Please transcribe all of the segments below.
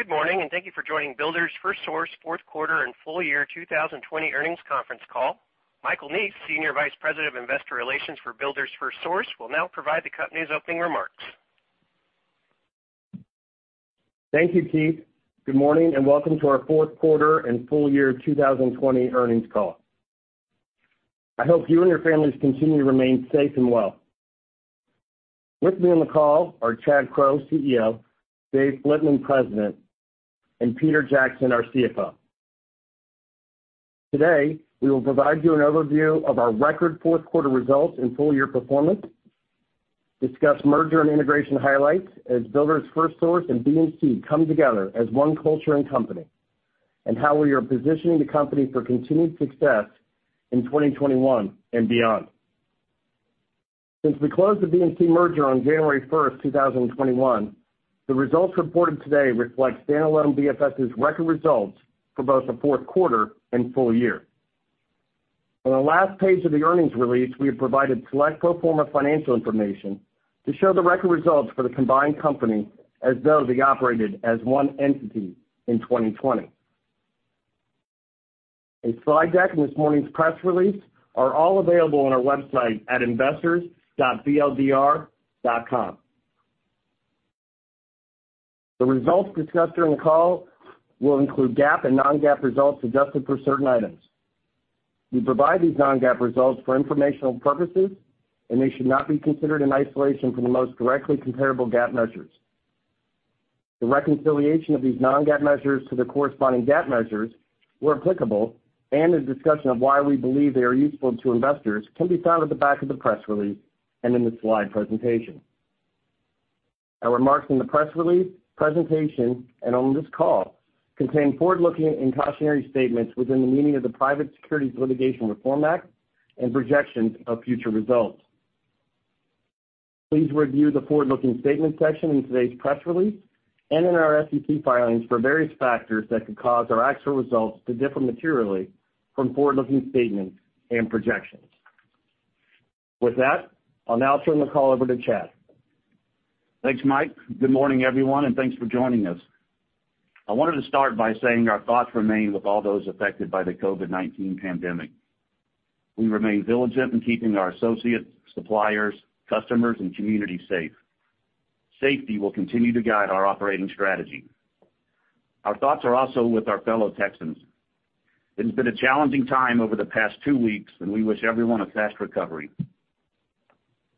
Good morning, and thank you for joining Builders FirstSource fourth quarter and full year 2020 earnings conference call. Michael Neese, Senior Vice President of Investor Relations for Builders FirstSource, will now provide the company's opening remarks. Thank you, Keith. Good morning, and welcome to our fourth quarter and full year 2020 earnings call. I hope you and your families continue to remain safe and well. With me on the call are Chad Crow, CEO, Dave Flitman, President, and Peter Jackson, our CFO. Today, we will provide you an overview of our record fourth quarter results and full year performance, discuss merger and integration highlights as Builders FirstSource and BMC come together as one culture and company, and how we are positioning the company for continued success in 2021 and beyond. Since we closed the BMC merger on January 1st, 2021, the results reported today reflect standalone BFS's record results for both the fourth quarter and full year. On the last page of the earnings release, we have provided select pro forma financial information to show the record results for the combined company as though they operated as one entity in 2020. A slide deck and this morning's press release are all available on our website at investors.bldr.com. The results discussed during the call will include GAAP and non-GAAP results adjusted for certain items. We provide these non-GAAP results for informational purposes, and they should not be considered in isolation from the most directly comparable GAAP measures. The reconciliation of these non-GAAP measures to the corresponding GAAP measures, where applicable, and a discussion of why we believe they are useful to investors can be found at the back of the press release and in the slide presentation. Our remarks in the press release, presentation, and on this call contain forward-looking and cautionary statements within the meaning of the Private Securities Litigation Reform Act and projections of future results. Please review the forward-looking statements section in today's press release and in our SEC filings for various factors that could cause our actual results to differ materially from forward-looking statements and projections. With that, I'll now turn the call over to Chad. Thanks, Mike. Good morning, everyone, and thanks for joining us. I wanted to start by saying our thoughts remain with all those affected by the COVID-19 pandemic. We remain diligent in keeping our associates, suppliers, customers, and communities safe. Safety will continue to guide our operating strategy. Our thoughts are also with our fellow Texans. It has been a challenging time over the past two weeks, and we wish everyone a fast recovery.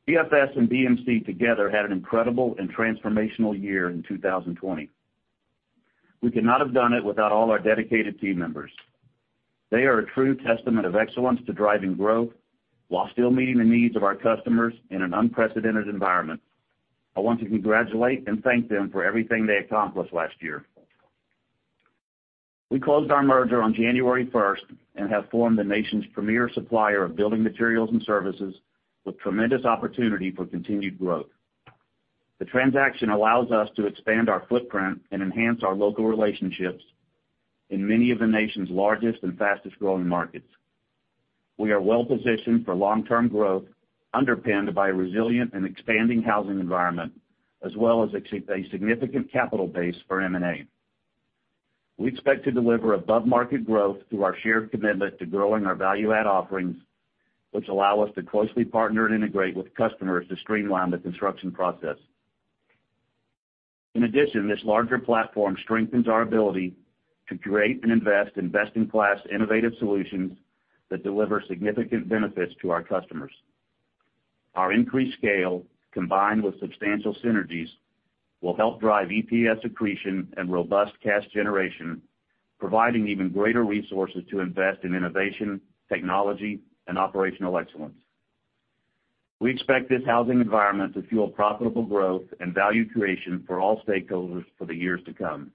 BFS and BMC together had an incredible and transformational year in 2020. We could not have done it without all our dedicated team members. They are a true testament of excellence to driving growth while still meeting the needs of our customers in an unprecedented environment. I want to congratulate and thank them for everything they accomplished last year. We closed our merger on January 1st and have formed the nation's premier supplier of building materials and services with tremendous opportunity for continued growth. The transaction allows us to expand our footprint and enhance our local relationships in many of the nation's largest and fastest-growing markets. We are well-positioned for long-term growth underpinned by a resilient and expanding housing environment as well as a significant capital base for M&A. We expect to deliver above-market growth through our shared commitment to growing our value-add offerings, which allow us to closely partner and integrate with customers to streamline the construction process. In addition, this larger platform strengthens our ability to create and invest in best-in-class innovative solutions that deliver significant benefits to our customers. Our increased scale, combined with substantial synergies, will help drive EPS accretion and robust cash generation, providing even greater resources to invest in innovation, technology, and operational excellence. We expect this housing environment to fuel profitable growth and value creation for all stakeholders for the years to come.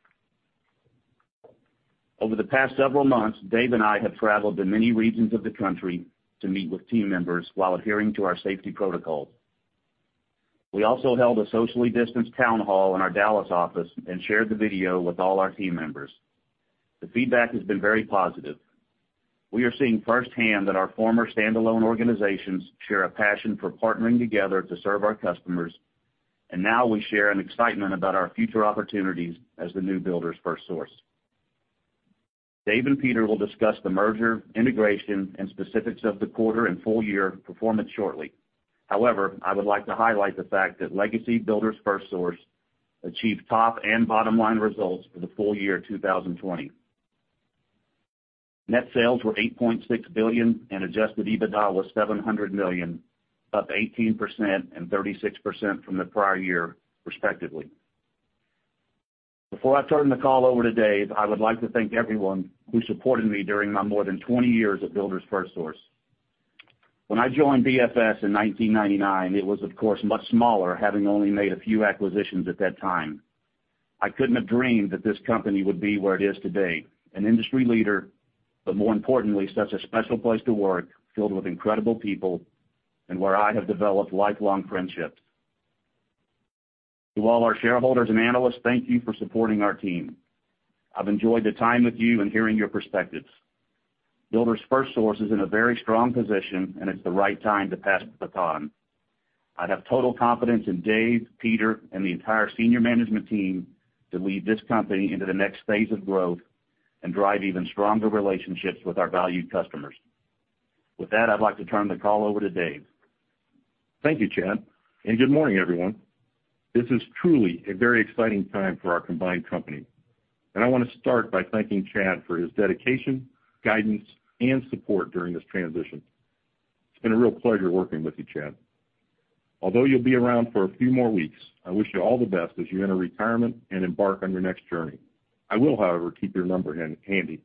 Over the past several months, Dave and I have traveled to many regions of the country to meet with team members while adhering to our safety protocols. We also held a socially distanced town hall in our Dallas office and shared the video with all our team members. The feedback has been very positive. We are seeing firsthand that our former standalone organizations share a passion for partnering together to serve our customers, and now we share an excitement about our future opportunities as the new Builders FirstSource. Dave and Peter will discuss the merger, integration, and specifics of the quarter and full-year performance shortly. However, I would like to highlight the fact that legacy Builders FirstSource achieved top and bottom-line results for the full year 2020. Net sales were $8.6 billion and adjusted EBITDA was $700 million, up 18% and 36% from the prior year respectively. Before I turn the call over to Dave, I would like to thank everyone who supported me during my more than 20 years at Builders FirstSource. When I joined BFS in 1999, it was of course much smaller, having only made a few acquisitions at that time. I couldn't have dreamed that this company would be where it is today, an industry leader, but more importantly, such a special place to work filled with incredible people and where I have developed lifelong friendships. To all our shareholders and analysts, thank you for supporting our team. I've enjoyed the time with you and hearing your perspectives. Builders FirstSource is in a very strong position, and it's the right time to pass the baton. I'd have total confidence in Dave, Peter, and the entire senior management team to lead this company into the next phase of growth and drive even stronger relationships with our valued customers. With that, I'd like to turn the call over to Dave. Thank you, Chad. Good morning, everyone. This is truly a very exciting time for our combined company. I want to start by thanking Chad for his dedication, guidance, and support during this transition. It's been a real pleasure working with you, Chad. Although you'll be around for a few more weeks, I wish you all the best as you enter retirement and embark on your next journey. I will, however, keep your number handy.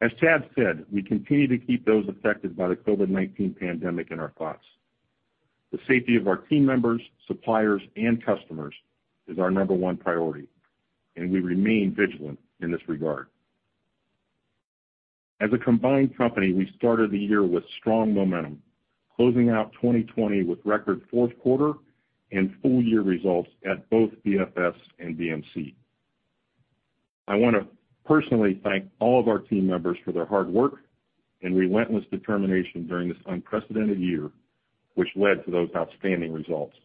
As Chad said, we continue to keep those affected by the COVID-19 pandemic in our thoughts. The safety of our team members, suppliers, and customers is our number 1 priority, and we remain vigilant in this regard. As a combined company, we started the year with strong momentum, closing out 2020 with record fourth quarter and full-year results at both BFS and BMC. I want to personally thank all of our team members for their hard work and relentless determination during this unprecedented year, which led to those outstanding results.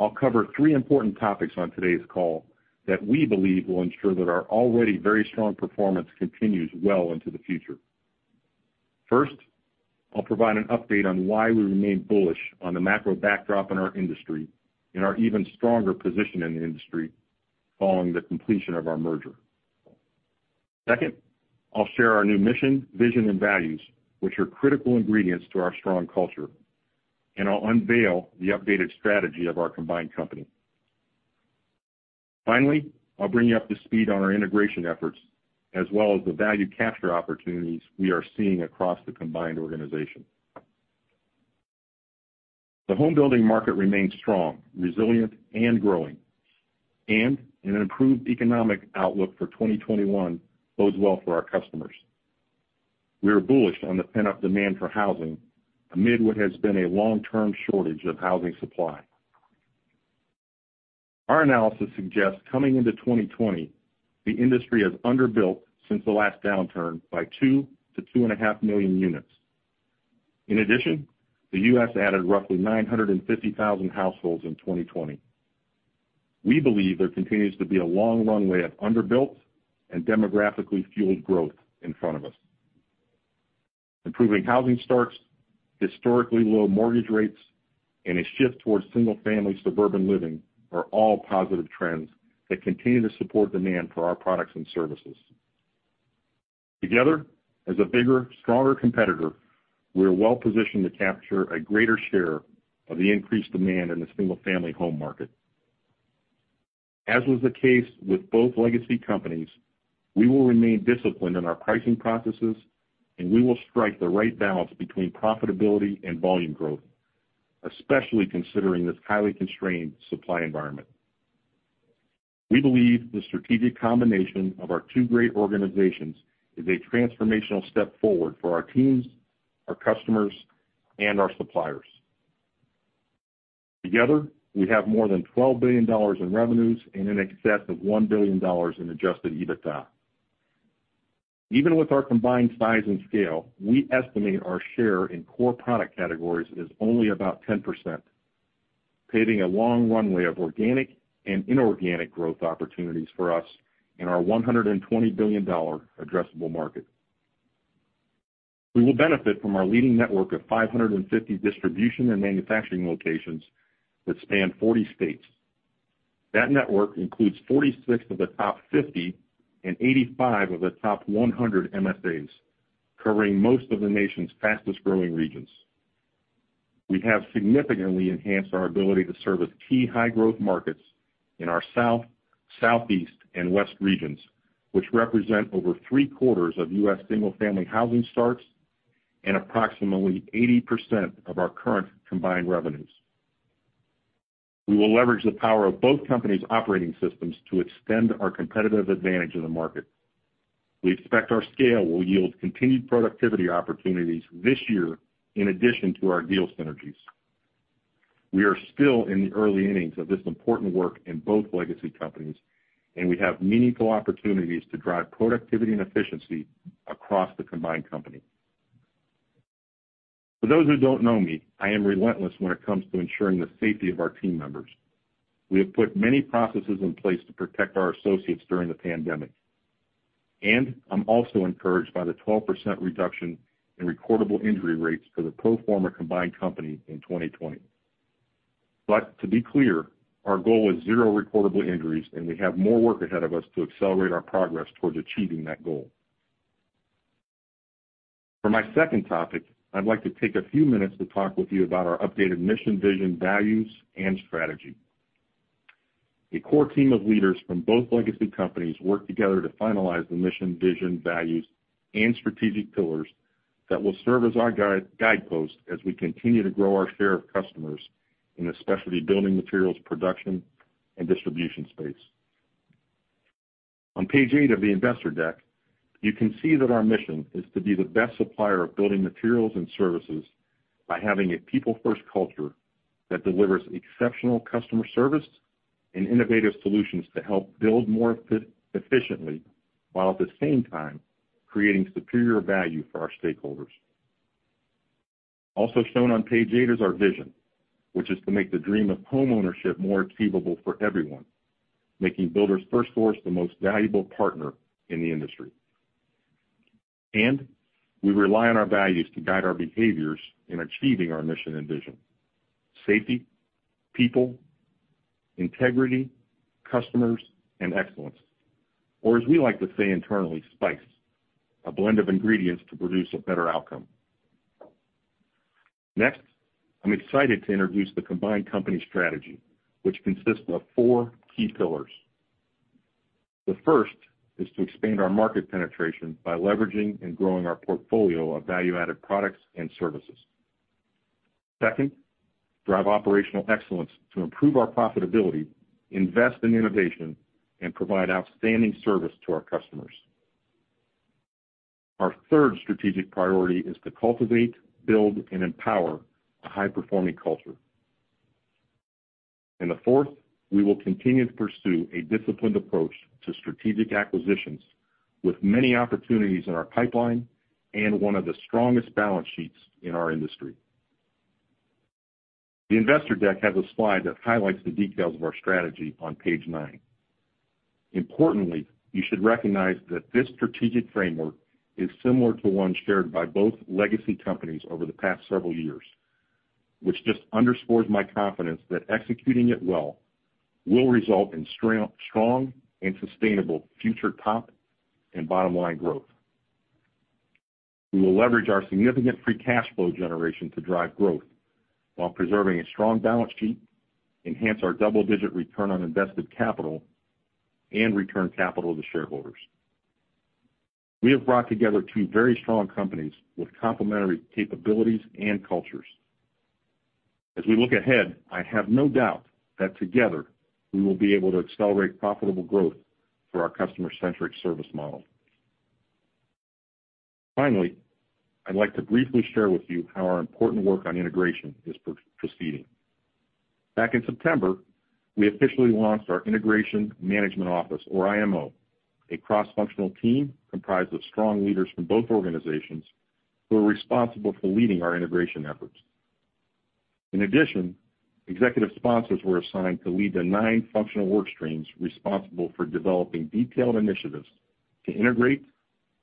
I'll cover three important topics on today's call that we believe will ensure that our already very strong performance continues well into the future. First, I'll provide an update on why we remain bullish on the macro backdrop in our industry and our even stronger position in the industry following the completion of our merger. Second, I'll share our new mission, vision, and values, which are critical ingredients to our strong culture, and I'll unveil the updated strategy of our combined company. Finally, I'll bring you up to speed on our integration efforts as well as the value capture opportunities we are seeing across the combined organization. The home building market remains strong, resilient, and growing. An improved economic outlook for 2021 bodes well for our customers. We are bullish on the pent-up demand for housing amid what has been a long-term shortage of housing supply. Our analysis suggests coming into 2020, the industry has under-built since the last downturn by 2 to 2.5 million units. In addition, the U.S. added roughly 950,000 households in 2020. We believe there continues to be a long runway of under-built and demographically fueled growth in front of us. Improving housing starts, historically low mortgage rates, and a shift towards single-family suburban living are all positive trends that continue to support demand for our products and services. Together, as a bigger, stronger competitor, we are well-positioned to capture a greater share of the increased demand in the single-family home market. As was the case with both legacy companies, we will remain disciplined in our pricing processes, and we will strike the right balance between profitability and volume growth, especially considering this highly constrained supply environment. We believe the strategic combination of our two great organizations is a transformational step forward for our teams, our customers, and our suppliers. Together, we have more than $12 billion in revenues and in excess of $1 billion in adjusted EBITDA. Even with our combined size and scale, we estimate our share in core product categories is only about 10%, paving a long runway of organic and inorganic growth opportunities for us in our $120 billion addressable market. We will benefit from our leading network of 550 distribution and manufacturing locations that span 40 states. That network includes 46 of the top 50 and 85 of the top 100 MSAs, covering most of the nation's fastest-growing regions. We have significantly enhanced our ability to service key high-growth markets in our South, Southeast, and West regions, which represent over three-quarters of U.S. single-family housing starts and approximately 80% of our current combined revenues. We will leverage the power of both companies' operating systems to extend our competitive advantage in the market. We expect our scale will yield continued productivity opportunities this year in addition to our deal synergies. We are still in the early innings of this important work in both legacy companies. We have meaningful opportunities to drive productivity and efficiency across the combined company. For those who don't know me, I am relentless when it comes to ensuring the safety of our team members. We have put many processes in place to protect our associates during the pandemic. I'm also encouraged by the 12% reduction in recordable injury rates for the pro forma combined company in 2020. To be clear, our goal is zero recordable injuries, and we have more work ahead of us to accelerate our progress towards achieving that goal. For my second topic, I'd like to take a few minutes to talk with you about our updated mission, vision, values, and strategy. A core team of leaders from both legacy companies worked together to finalize the mission, vision, values, and strategic pillars that will serve as our guideposts as we continue to grow our share of customers in the specialty building materials production and distribution space. On page eight of the investor deck, you can see that our mission is to be the best supplier of building materials and services by having a people-first culture that delivers exceptional customer service and innovative solutions to help build more efficiently, while at the same time creating superior value for our stakeholders. Also shown on page eight is our vision, which is to make the dream of homeownership more achievable for everyone, making Builders FirstSource the most valuable partner in the industry. We rely on our values to guide our behaviors in achieving our mission and vision. Safety, people, integrity, customers, and excellence. As we like to say internally, SPICE, a blend of ingredients to produce a better outcome. Next, I'm excited to introduce the combined company strategy, which consists of four key pillars. The first is to expand our market penetration by leveraging and growing our portfolio of value-added products and services. Second, drive operational excellence to improve our profitability, invest in innovation, and provide outstanding service to our customers. Our third strategic priority is to cultivate, build, and empower a high-performing culture. The fourth, we will continue to pursue a disciplined approach to strategic acquisitions with many opportunities in our pipeline and one of the strongest balance sheets in our industry. The investor deck has a slide that highlights the details of our strategy on page nine. Importantly, you should recognize that this strategic framework is similar to the one shared by both legacy companies over the past several years, which just underscores my confidence that executing it well will result in strong and sustainable future top and bottom-line growth. We will leverage our significant free cash flow generation to drive growth while preserving a strong balance sheet, enhance our double-digit return on invested capital, and return capital to shareholders. We have brought together two very strong companies with complementary capabilities and cultures. As we look ahead, I have no doubt that together we will be able to accelerate profitable growth through our customer-centric service model. Finally, I'd like to briefly share with you how our important work on integration is proceeding. Back in September, we officially launched our Integration Management Office, or IMO, a cross-functional team comprised of strong leaders from both organizations who are responsible for leading our integration efforts. In addition, executive sponsors were assigned to lead the nine functional work streams responsible for developing detailed initiatives to integrate,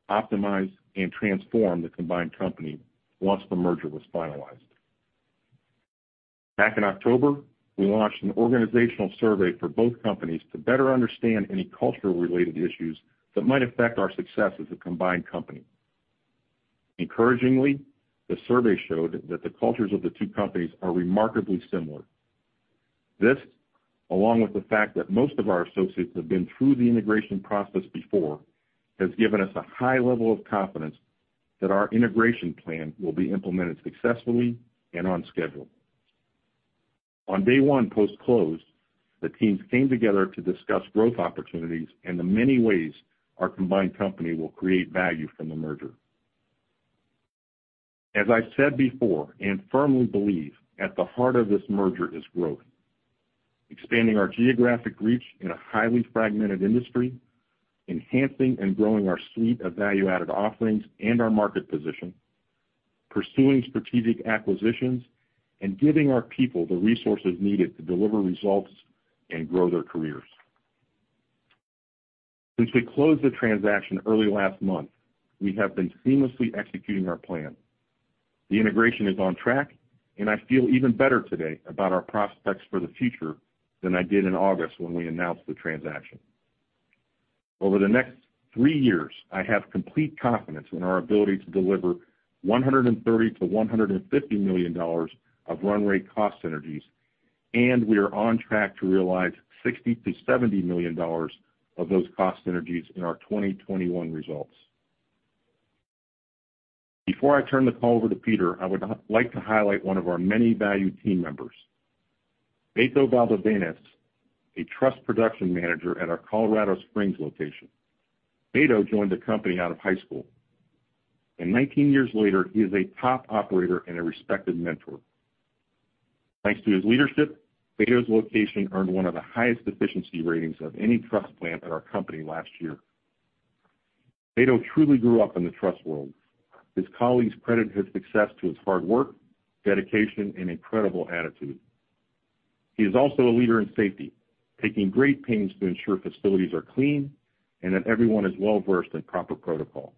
optimize, and transform the combined company once the merger was finalized. Back in October, we launched an organizational survey for both companies to better understand any culture-related issues that might affect our success as a combined company. Encouragingly, the survey showed that the cultures of the two companies are remarkably similar. This, along with the fact that most of our associates have been through the integration process before, has given us a high level of confidence that our integration plan will be implemented successfully and on schedule. On day one post-close, the teams came together to discuss growth opportunities and the many ways our combined company will create value from the merger. As I've said before, and firmly believe, at the heart of this merger is growth. Expanding our geographic reach in a highly fragmented industry, enhancing and growing our suite of value-added offerings and our market position, pursuing strategic acquisitions, and giving our people the resources needed to deliver results and grow their careers. Since we closed the transaction early last month, we have been seamlessly executing our plan. The integration is on track, and I feel even better today about our prospects for the future than I did in August when we announced the transaction. Over the next three years, I have complete confidence in our ability to deliver $130 million-$150 million of run rate cost synergies, and we are on track to realize $60 million-$70 million of those cost synergies in our 2021 results. Before I turn the call over to Peter, I would like to highlight one of our many valued team members, Beto Valdovinos, a truss production manager at our Colorado Springs location. Beto joined the company out of high school, and 19 years later, he is a top operator and a respected mentor. Thanks to his leadership, Beto's location earned one of the highest efficiency ratings of any truss plant at our company last year. Beto truly grew up in the truss world. His colleagues credit his success to his hard work, dedication, and incredible attitude. He is also a leader in safety, taking great pains to ensure facilities are clean and that everyone is well-versed in proper protocol.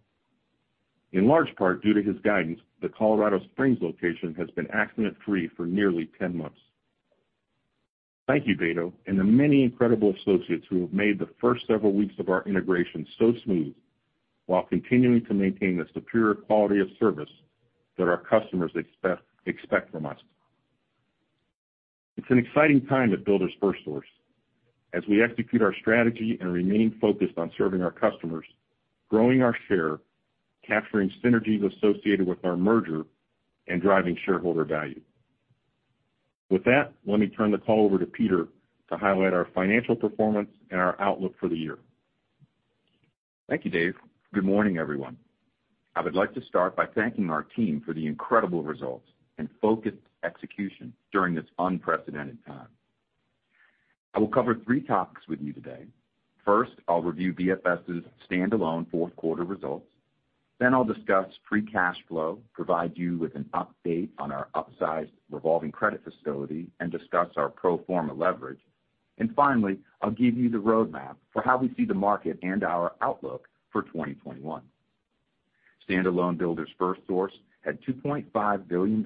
In large part due to his guidance, the Colorado Springs location has been accident-free for nearly 10 months. Thank you, Beto, and the many incredible associates who have made the first several weeks of our integration so smooth while continuing to maintain the superior quality of service that our customers expect from us. It's an exciting time at Builders FirstSource as we execute our strategy and remain focused on serving our customers, growing our share, capturing synergies associated with our merger, and driving shareholder value. With that, let me turn the call over to Peter to highlight our financial performance and our outlook for the year. Thank you, Dave. Good morning, everyone. I would like to start by thanking our team for the incredible results and focused execution during this unprecedented time. I will cover three topics with you today. First, I'll review BFS's standalone fourth quarter results. I'll discuss free cash flow, provide you with an update on our upsized revolving credit facility, and discuss our pro forma leverage. Finally, I'll give you the roadmap for how we see the market and our outlook for 2021. Standalone Builders FirstSource had $2.5 billion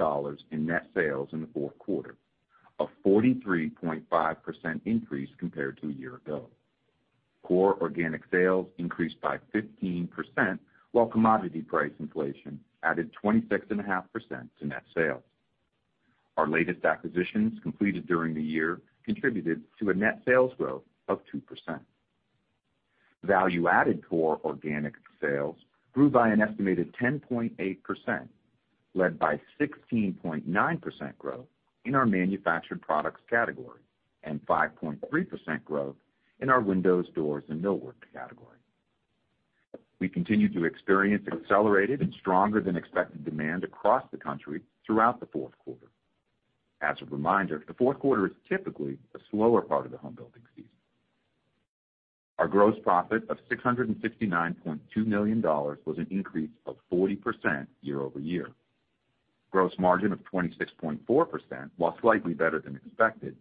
in net sales in the fourth quarter, a 43.5% increase compared to a year ago. Core organic sales increased by 15%, while commodity price inflation added 26.5% to net sales. Our latest acquisitions completed during the year contributed to a net sales growth of 2%. Value-added core organic sales grew by an estimated 10.8%, led by 16.9% growth in our manufactured products category and 5.3% growth in our windows, doors, and millwork category. We continued to experience accelerated and stronger-than-expected demand across the country throughout the fourth quarter. As a reminder, the fourth quarter is typically a slower part of the home building season. Our gross profit of $669.2 million was an increase of 40% year-over-year. Gross margin of 26.4%, while slightly better than expected,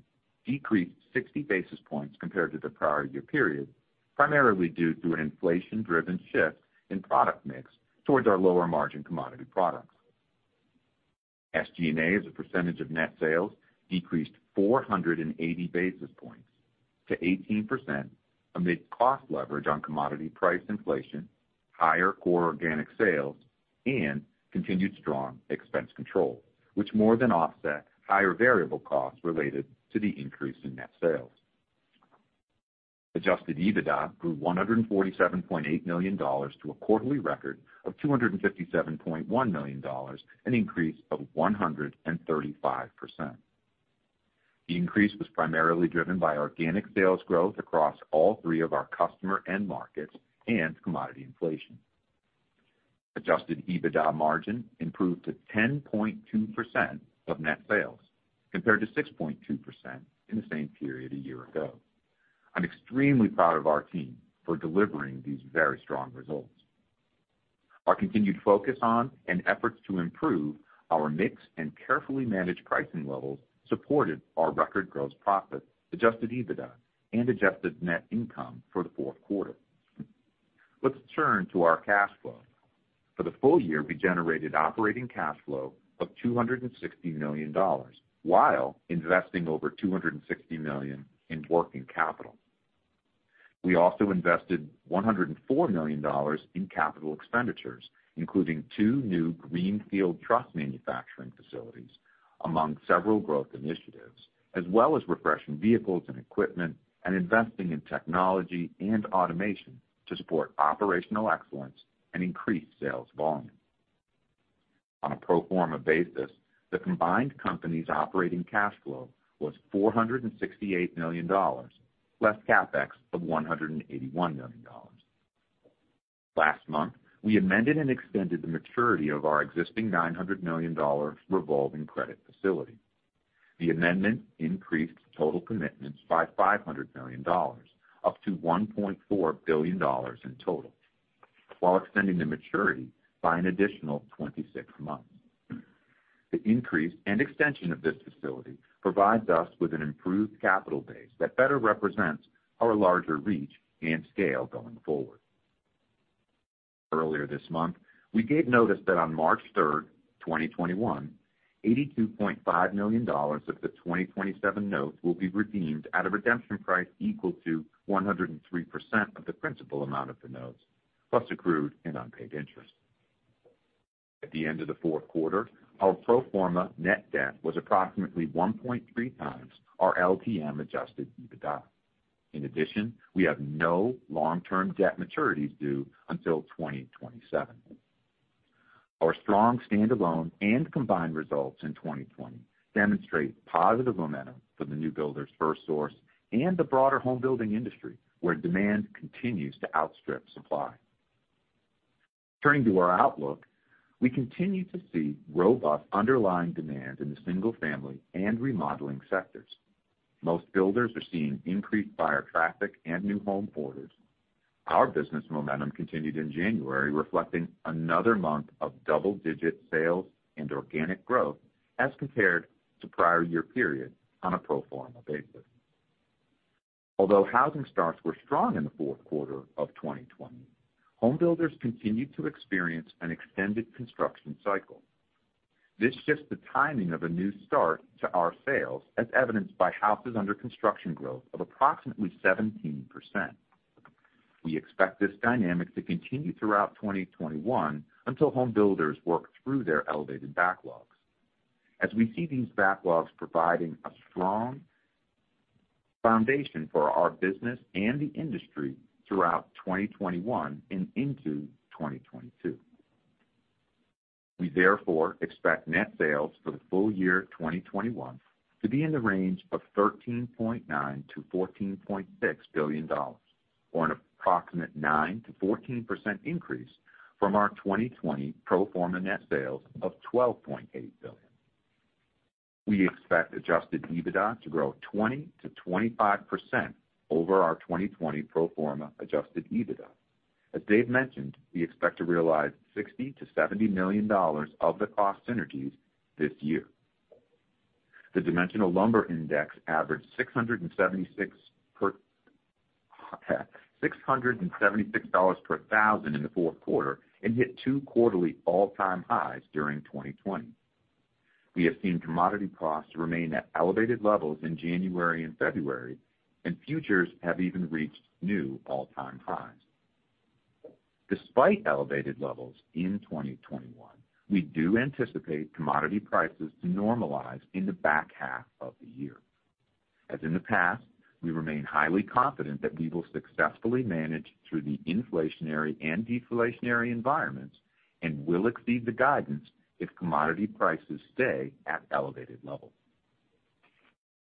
decreased 60 basis points compared to the prior year period, primarily due to an inflation-driven shift in product mix towards our lower-margin commodity products. SG&A, as a percentage of net sales, decreased 480 basis points to 18% amid cost leverage on commodity price inflation, higher core organic sales, and continued strong expense control, which more than offset higher variable costs related to the increase in net sales. Adjusted EBITDA grew $147.8 million to a quarterly record of $257.1 million, an increase of 135%. The increase was primarily driven by organic sales growth across all three of our customer end markets and commodity inflation. Adjusted EBITDA margin improved to 10.2% of net sales compared to 6.2% in the same period a year ago. I'm extremely proud of our team for delivering these very strong results. Our continued focus on and efforts to improve our mix and carefully manage pricing levels supported our record gross profit, Adjusted EBITDA, and adjusted net income for the fourth quarter. Let's turn to our cash flow. For the full year, we generated operating cash flow of $260 million while investing over $260 million in working capital. We also invested $104 million in capital expenditures, including two new greenfield truss manufacturing facilities among several growth initiatives, as well as refreshing vehicles and equipment and investing in technology and automation to support operational excellence and increase sales volume. On a pro forma basis, the combined company's operating cash flow was $468 million, less CapEx of $181 million. Last month, we amended and extended the maturity of our existing $900 million revolving credit facility. The amendment increased total commitments by $500 million, up to $1.4 billion in total, while extending the maturity by an additional 26 months. The increase and extension of this facility provides us with an improved capital base that better represents our larger reach and scale going forward. Earlier this month, we gave notice that on March 3rd, 2021, $82.5 million of the 2027 notes will be redeemed at a redemption price equal to 103% of the principal amount of the notes, plus accrued and unpaid interest. At the end of the fourth quarter, our pro forma net debt was approximately 1.3 times our LTM adjusted EBITDA. In addition, we have no long-term debt maturities due until 2027. Our strong standalone and combined results in 2020 demonstrate positive momentum for the new Builders FirstSource and the broader home building industry, where demand continues to outstrip supply. Turning to our outlook, we continue to see robust underlying demand in the single-family and remodeling sectors. Most builders are seeing increased buyer traffic and new home orders. Our business momentum continued in January, reflecting another month of double-digit sales and organic growth as compared to prior year period on a pro forma basis. Although housing starts were strong in the fourth quarter of 2020, home builders continued to experience an extended construction cycle. This shifts the timing of a new start to our sales, as evidenced by houses under construction growth of approximately 17%. We expect this dynamic to continue throughout 2021 until home builders work through their elevated backlogs, as we see these backlogs providing a strong foundation for our business and the industry throughout 2021 and into 2022. We therefore expect net sales for the full year 2021 to be in the range of $13.9 billion-$14.6 billion, or an approximate 9%-14% increase from our 2020 pro forma net sales of $12.8 billion. We expect adjusted EBITDA to grow 20%-25% over our 2020 pro forma adjusted EBITDA. As Dave mentioned, we expect to realize $60 million-$70 million of the cost synergies this year. The dimensional lumber index averaged $676 per thousand in the fourth quarter, and hit two quarterly all-time highs during 2020. We have seen commodity costs remain at elevated levels in January and February, and futures have even reached new all-time highs. Despite elevated levels in 2021, we do anticipate commodity prices to normalize in the back half of the year. As in the past, we remain highly confident that we will successfully manage through the inflationary and deflationary environments, and will exceed the guidance if commodity prices stay at elevated levels.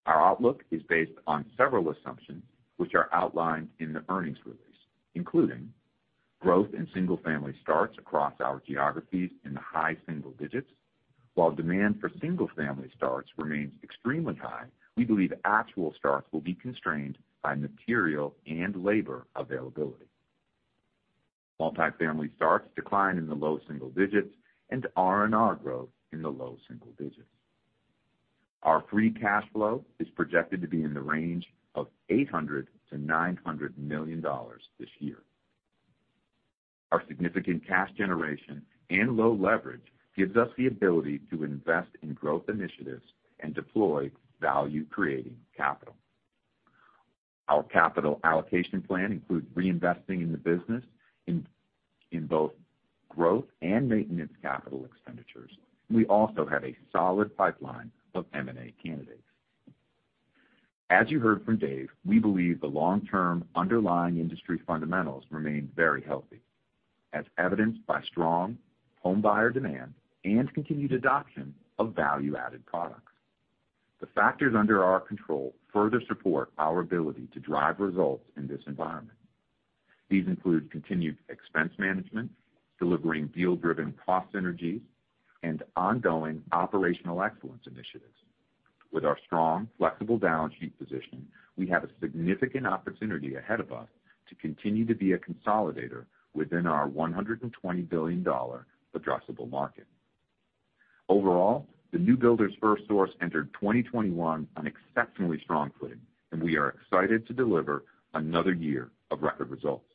Our outlook is based on several assumptions which are outlined in the earnings release, including growth in single-family starts across our geographies in the high single digits. While demand for single-family starts remains extremely high, we believe actual starts will be constrained by material and labor availability. Multi-family starts decline in the low single digits and R&R growth in the low single digits. Our free cash flow is projected to be in the range of $800 million-$900 million this year. Our significant cash generation and low leverage gives us the ability to invest in growth initiatives and deploy value-creating capital. Our capital allocation plan includes reinvesting in the business in both growth and maintenance capital expenditures. We also have a solid pipeline of M&A candidates. As you heard from Dave, we believe the long-term underlying industry fundamentals remain very healthy, as evidenced by strong home buyer demand and continued adoption of value-added products. The factors under our control further support our ability to drive results in this environment. These include continued expense management, delivering deal-driven cost synergies, and ongoing operational excellence initiatives. With our strong, flexible balance sheet position, we have a significant opportunity ahead of us to continue to be a consolidator within our $120 billion addressable market. Overall, the new Builders FirstSource entered 2021 on exceptionally strong footing, and we are excited to deliver another year of record results.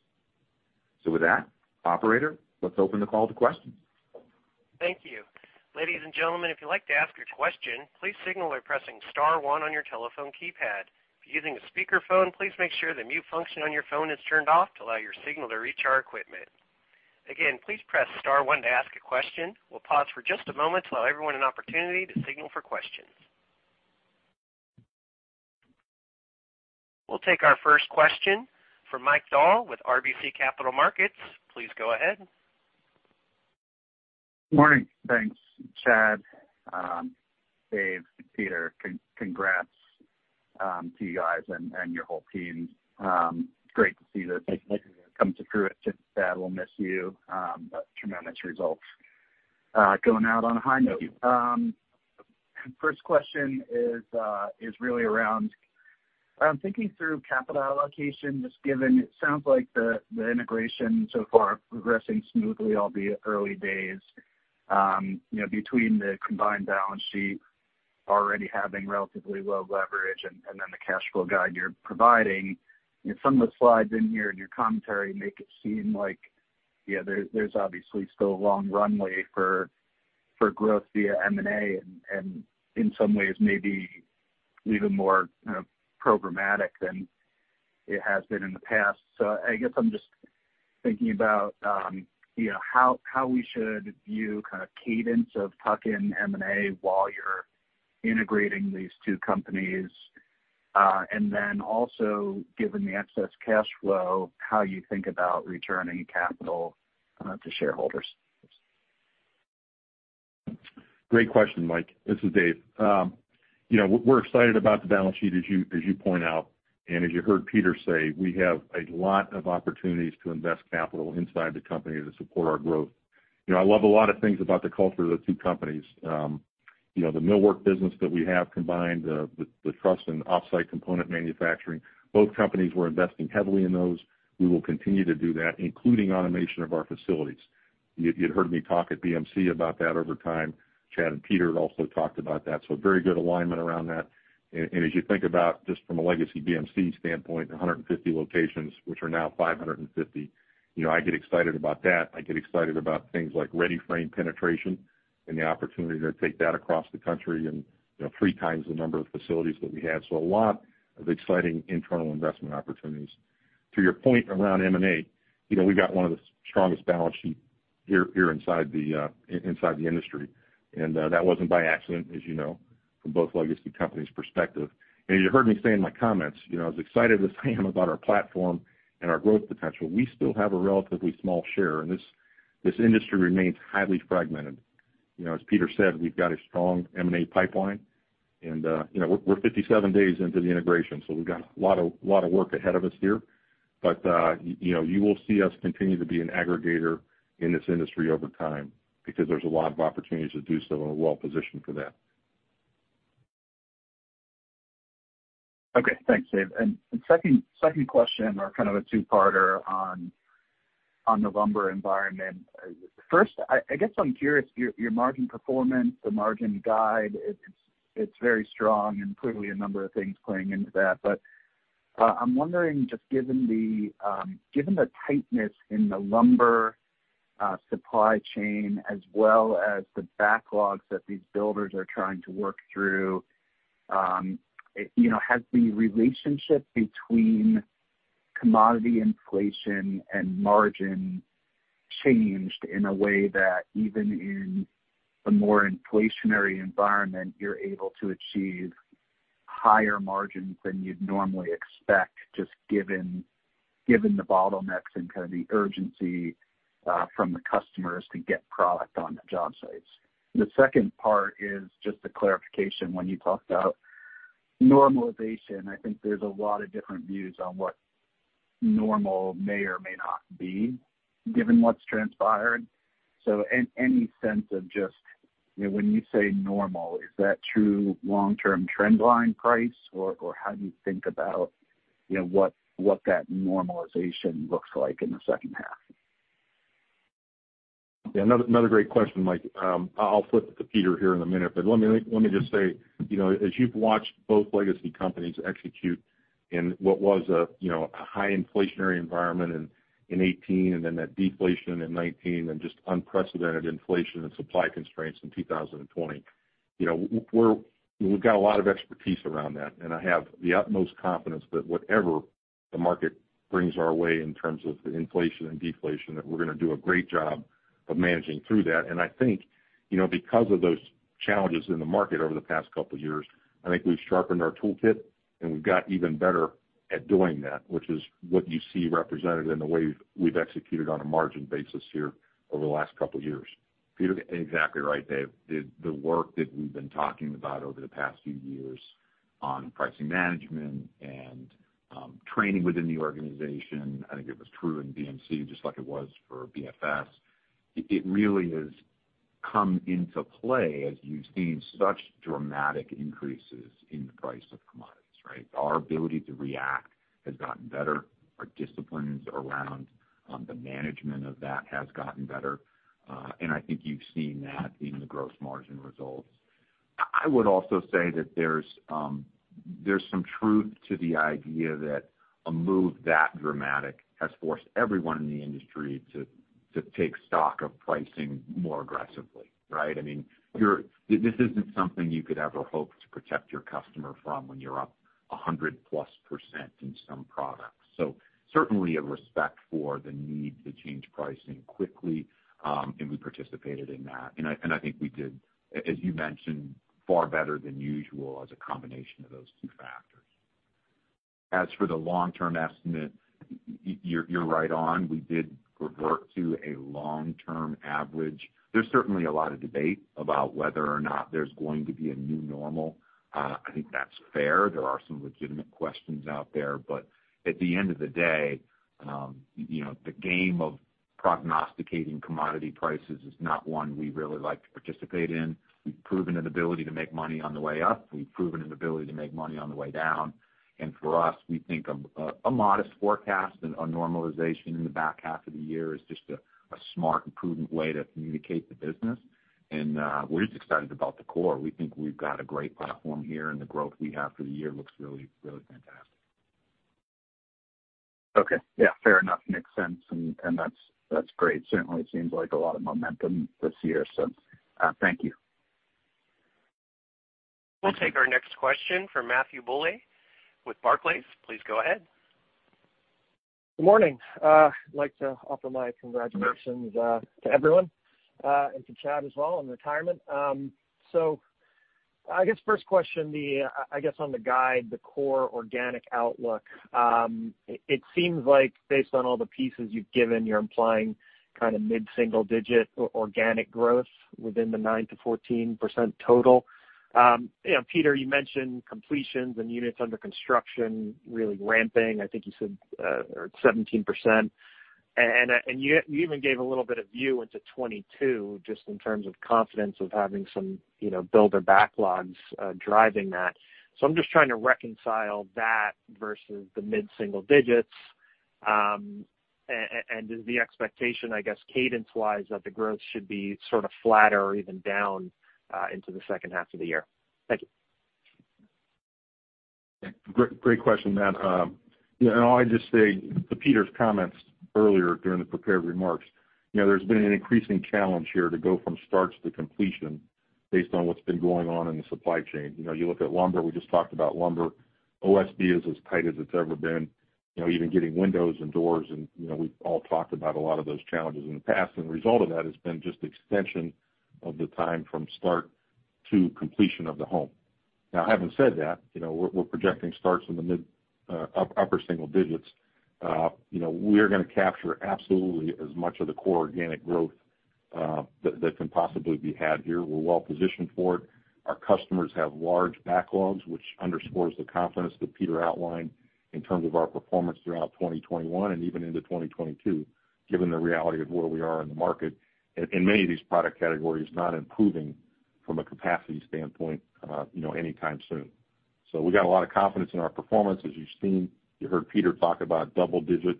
With that, operator, let's open the call to questions. Thank you. Ladies and gentlemen, if you'd like to ask a question, please signal by pressing *1 on your telephone keypad. If you are using a speakerphone, please make sure the mute function is turned off to allow your signal to reach your equipment. Again please press *1 to ask a question. We'll pause for just a moment to allow everyone an opportunity to signal for questions. We'll take our first question from Michael Dahl with RBC Capital Markets. Please go ahead. Morning. Thanks, Chad, Dave, Peter. Congrats to you guys and your whole team. Great to see this. Thank you. come to fruition. Chad, we'll miss you, tremendous results. Going out on a high note. First question is really around thinking through capital allocation, just given it sounds like the integration so far progressing smoothly, albeit early days, between the combined balance sheet already having relatively low leverage and then the cash flow guide you're providing. Some of the slides in here in your commentary make it seem like there's obviously still a long runway for growth via M&A, and in some ways maybe even more programmatic than it has been in the past. I guess I'm just thinking about how we should view kind of cadence of tuck-in M&A while you're integrating these two companies. Also, given the excess cash flow, how you think about returning capital to shareholders. Great question, Mike. This is Dave. We're excited about the balance sheet, as you point out, and as you heard Peter say, we have a lot of opportunities to invest capital inside the company to support our growth. I love a lot of things about the culture of the two companies. The millwork business that we have combined with the truss and off-site component manufacturing, both companies were investing heavily in those. We will continue to do that, including automation of our facilities. You had heard me talk at BMC about that over time. Chad and Peter had also talked about that. Very good alignment around that. As you think about just from a legacy BMC standpoint, 150 locations, which are now 550. I get excited about that. I get excited about things like READY-FRAME penetration and the opportunity to take that across the country and three times the number of facilities that we have. A lot of exciting internal investment opportunities. To your point around M&A, we've got one of the strongest balance sheets here inside the industry, and that wasn't by accident, as you know. From both legacy companies' perspective. You heard me say in my comments, I was excited as I am about our platform and our growth potential. We still have a relatively small share. This industry remains highly fragmented. As Peter said, we've got a strong M&A pipeline and we're 57 days into the integration, so we've got a lot of work ahead of us here. You will see us continue to be an aggregator in this industry over time because there's a lot of opportunities to do so and we're well-positioned for that. Okay. Thanks, Dave. Second question or kind of a two-parter on November environment. First, I guess I'm curious, your margin performance, the margin guide, it's very strong and clearly a number of things playing into that. I'm wondering, just given the tightness in the lumber supply chain as well as the backlogs that these builders are trying to work through, has the relationship between commodity inflation and margin changed in a way that even in a more inflationary environment, you're able to achieve higher margins than you'd normally expect, just given the bottlenecks and kind of the urgency from the customers to get product on the job sites? The second part is just a clarification. When you talked about normalization, I think there's a lot of different views on what normal may or may not be, given what's transpired. Any sense of just when you say normal, is that true long-term trend line price, or how do you think about what that normalization looks like in the second half? Yeah. Another great question, Mike. I'll flip it to Peter here in a minute, let me just say, as you've watched both legacy companies execute in what was a high inflationary environment in '18 and then that deflation in '19 and just unprecedented inflation and supply constraints in 2020. We've got a lot of expertise around that, and I have the utmost confidence that whatever the market brings our way in terms of inflation and deflation, that we're going to do a great job of managing through that. I think because of those challenges in the market over the past couple of years, I think we've sharpened our toolkit, and we've got even better at doing that, which is what you see represented in the way we've executed on a margin basis here over the last couple of years. Exactly right, Dave. The work that we've been talking about over the past few years on pricing management and training within the organization, I think it was true in BMC just like it was for BFS. It really has come into play as you've seen such dramatic increases in the price of commodities, right? Our ability to react has gotten better. Our disciplines around the management of that has gotten better. I think you've seen that in the gross margin results. I would also say that there's some truth to the idea that a move that dramatic has forced everyone in the industry to take stock of pricing more aggressively, right? This isn't something you could ever hope to protect your customer from when you're up 100-plus% in some products. Certainly a respect for the need to change pricing quickly, and we participated in that. I think we did, as you mentioned, far better than usual as a combination of those two factors. As for the long-term estimate, you're right on. We did revert to a long-term average. There's certainly a lot of debate about whether or not there's going to be a new normal. I think that's fair. There are some legitimate questions out there, but at the end of the day, the game of prognosticating commodity prices is not one we really like to participate in. We've proven an ability to make money on the way up. We've proven an ability to make money on the way down. For us, we think a modest forecast and a normalization in the back half of the year is just a smart and prudent way to communicate the business. We're just excited about the core. We think we've got a great platform here, and the growth we have for the year looks really fantastic. Okay. Yeah, fair enough. Makes sense. That's great. Certainly seems like a lot of momentum this year, so thank you. We'll take our next question from Matthew Bouley with Barclays. Please go ahead. Good morning. I'd like to offer my congratulations to everyone, to Chad as well on retirement. I guess first question, I guess on the guide, the core organic outlook. It seems like based on all the pieces you've given, you're implying kind of mid-single digit organic growth within the 9% to 14% total. Peter, you mentioned completions and units under construction really ramping, I think you said 17%. You even gave a little bit of view into 2022 just in terms of confidence of having some builder backlogs driving that. I'm just trying to reconcile that versus the mid-single digits. Is the expectation, I guess, cadence-wise, that the growth should be sort of flatter or even down into the second half of the year? Thank you. Great question, Matt. I'll just say to Peter's comments earlier during the prepared remarks, there's been an increasing challenge here to go from starts to completion based on what's been going on in the supply chain. You look at lumber, we just talked about lumber, OSB is as tight as it's ever been, even getting windows and doors. We've all talked about a lot of those challenges in the past, and the result of that has been just extension of the time from start to completion of the home. Now, having said that, we're projecting starts in the mid, upper single digits. We are going to capture absolutely as much of the core organic growth that can possibly be had here. We're well-positioned for it. Our customers have large backlogs, which underscores the confidence that Peter outlined in terms of our performance throughout 2021 and even into 2022, given the reality of where we are in the market. Many of these product categories not improving from a capacity standpoint anytime soon. We got a lot of confidence in our performance. As you've seen, you heard Peter talk about double-digit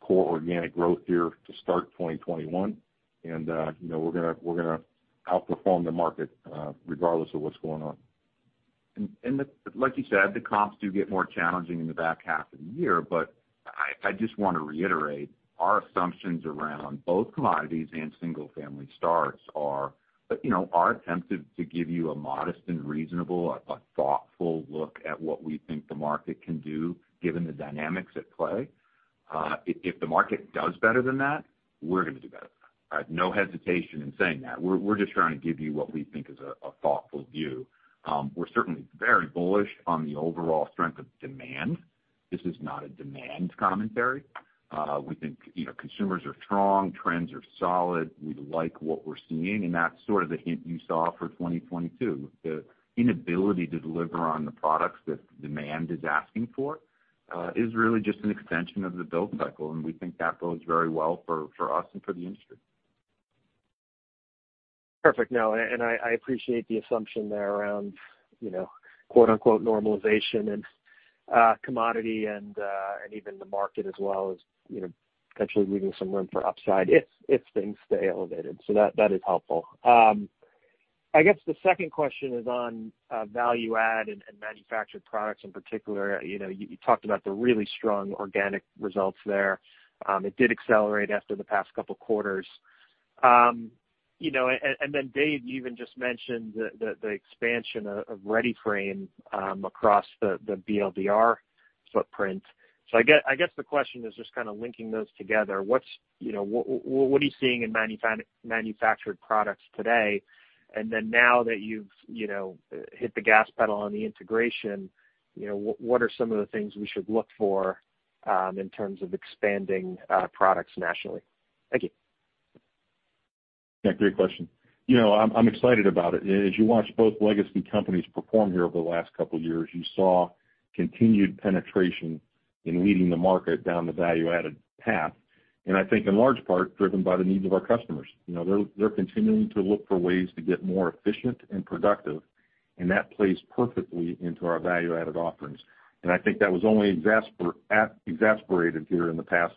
core organic growth here to start 2021. We're going to outperform the market regardless of what's going on. Like you said, the comps do get more challenging in the back half of the year. I just want to reiterate our assumptions around both commodities and single-family starts are our attempt to give you a modest and reasonable, a thoughtful look at what we think the market can do given the dynamics at play. If the market does better than that, we're going to do better than that. I have no hesitation in saying that. We're just trying to give you what we think is a thoughtful view. We're certainly very bullish on the overall strength of demand. This is not a demand commentary. We think consumers are strong, trends are solid. We like what we're seeing, that's sort of the hint you saw for 2022. The inability to deliver on the products that demand is asking for is really just an extension of the build cycle, and we think that bodes very well for us and for the industry. Perfect. No, and I appreciate the assumption there around "normalization" and commodity and even the market as well as potentially leaving some room for upside if things stay elevated. That is helpful. I guess the second question is on value add and manufactured products in particular. You talked about the really strong organic results there. It did accelerate after the past couple of quarters. Dave even just mentioned the expansion of READY-FRAME across the BLDR footprint. I guess the question is just kind of linking those together. What are you seeing in manufactured products today? Now that you've hit the gas pedal on the integration, what are some of the things we should look for in terms of expanding products nationally? Thank you. Yeah, great question. I'm excited about it. As you watch both legacy companies perform here over the last couple of years, you saw continued penetration in leading the market down the value-added path. I think in large part driven by the needs of our customers. They're continuing to look for ways to get more efficient and productive, and that plays perfectly into our value-added offerings. I think that was only exacerbated here in the past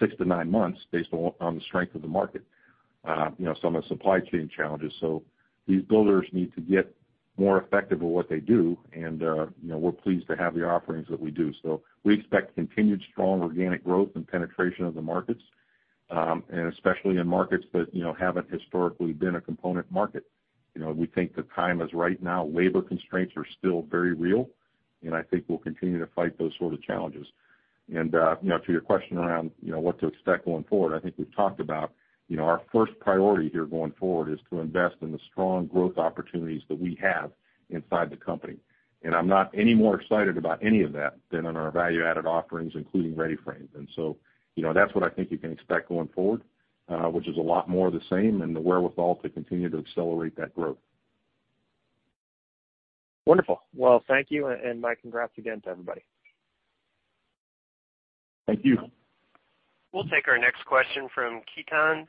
6 to 9 months based on the strength of the market, some of the supply chain challenges. These builders need to get more effective at what they do, and we're pleased to have the offerings that we do. We expect continued strong organic growth and penetration of the markets. Especially in markets that haven't historically been a component market. We think the time is right now. Labor constraints are still very real. I think we'll continue to fight those sort of challenges. To your question around what to expect going forward, I think we've talked about our first priority here going forward is to invest in the strong growth opportunities that we have inside the company. I'm not any more excited about any of that than on our value-added offerings, including READY-FRAME. That's what I think you can expect going forward, which is a lot more of the same and the wherewithal to continue to accelerate that growth. Wonderful. Well, thank you, and my congrats again to everybody. Thank you. We'll take our next question from Ketan Mamtora with BMO Capital Markets.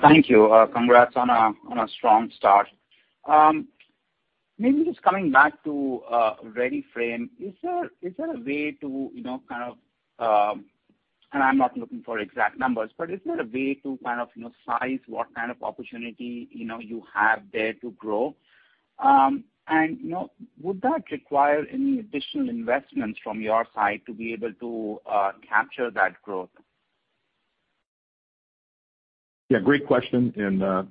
Thank you. Congrats on a strong start. Maybe just coming back to READY-FRAME. Is there a way to kind of And I'm not looking for exact numbers, but is there a way to kind of size what kind of opportunity you have there to grow? Would that require any additional investments from your side to be able to capture that growth? Yeah, great question.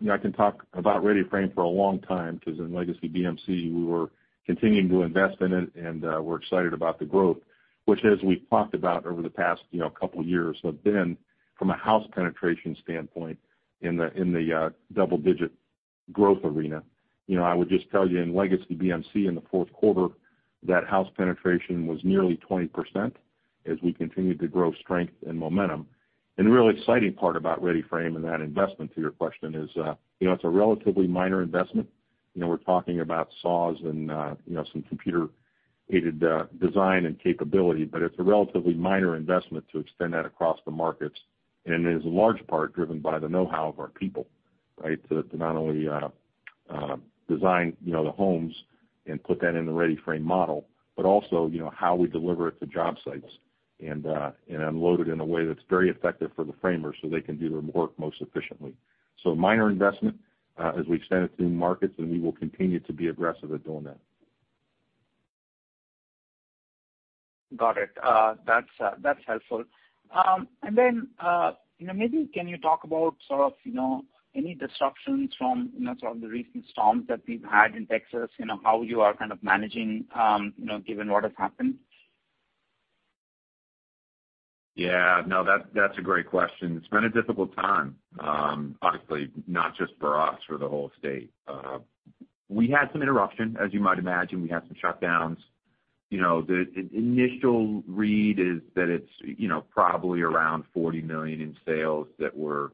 I can talk about READY-FRAME for a long time because in legacy BMC, we were continuing to invest in it, and we're excited about the growth, which, as we've talked about over the past couple years, have been from a house penetration standpoint in the double-digit growth arena. I would just tell you in legacy BMC in the fourth quarter, that house penetration was nearly 20% as we continued to grow strength and momentum. The really exciting part about READY-FRAME and that investment to your question is it's a relatively minor investment. We're talking about saws and some computer-aided design and capability, but it's a relatively minor investment to extend that across the markets. It is in large part driven by the know-how of our people, right? To not only design the homes and put that in the READY-FRAME model, but also how we deliver it to job sites and unload it in a way that's very effective for the framers so they can do their work most efficiently. Minor investment as we extend it to new markets, and we will continue to be aggressive at doing that. Got it. That's helpful. Maybe can you talk about any disruptions from the recent storms that we've had in Texas, how you are kind of managing given what has happened? Yeah. No, that's a great question. It's been a difficult time, honestly, not just for us, for the whole state. We had some interruption. As you might imagine, we had some shutdowns. The initial read is that it's probably around $40 million in sales that were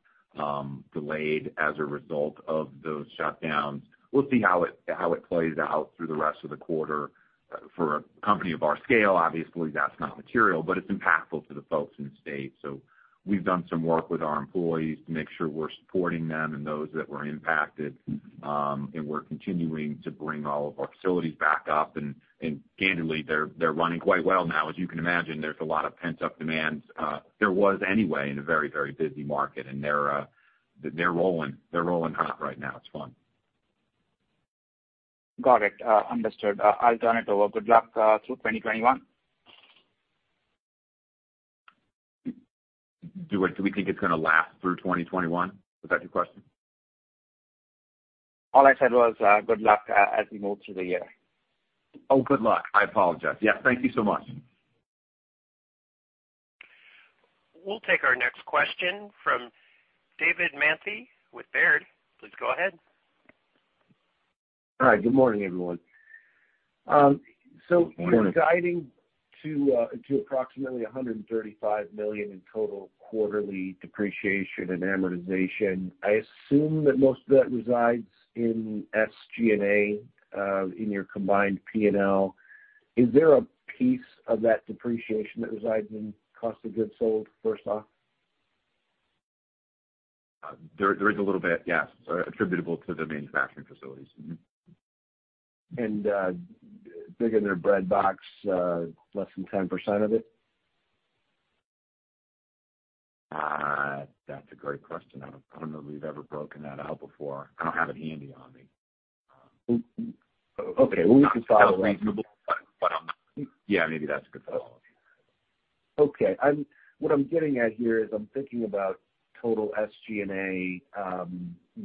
delayed as a result of those shutdowns. We'll see how it plays out through the rest of the quarter. For a company of our scale, obviously, that's not material, but it's impactful to the folks in the state. We've done some work with our employees to make sure we're supporting them and those that were impacted. We're continuing to bring all of our facilities back up, and candidly, they're running quite well now. As you can imagine, there's a lot of pent-up demands. There was anyway, in a very, very busy market, and they're rolling hot right now. It's fun. Got it. Understood. I'll turn it over. Good luck through 2021. Do we think it's going to last through 2021? Is that your question? All I said was good luck as we move through the year. Oh, good luck. I apologize. Yeah. Thank you so much. We'll take our next question from David Manthey with Baird. Please go ahead. Hi. Good morning, everyone. Good morning. You're guiding to approximately $135 million in total quarterly Depreciation and Amortization. I assume that most of that resides in SG&A in your combined P&L. Is there a piece of that depreciation that resides in Cost of Goods Sold for stock? There is a little bit, yes, attributable to the manufacturing facilities. Mm-hmm. A figure in a breadbox, less than 10% of it? That's a great question. I don't know that we've ever broken that out before. I don't have it handy on me. Okay. Well, we can follow-up. Sounds reasonable. Yeah, maybe that's a good follow-up. Okay. What I'm getting at here is I'm thinking about total SG&A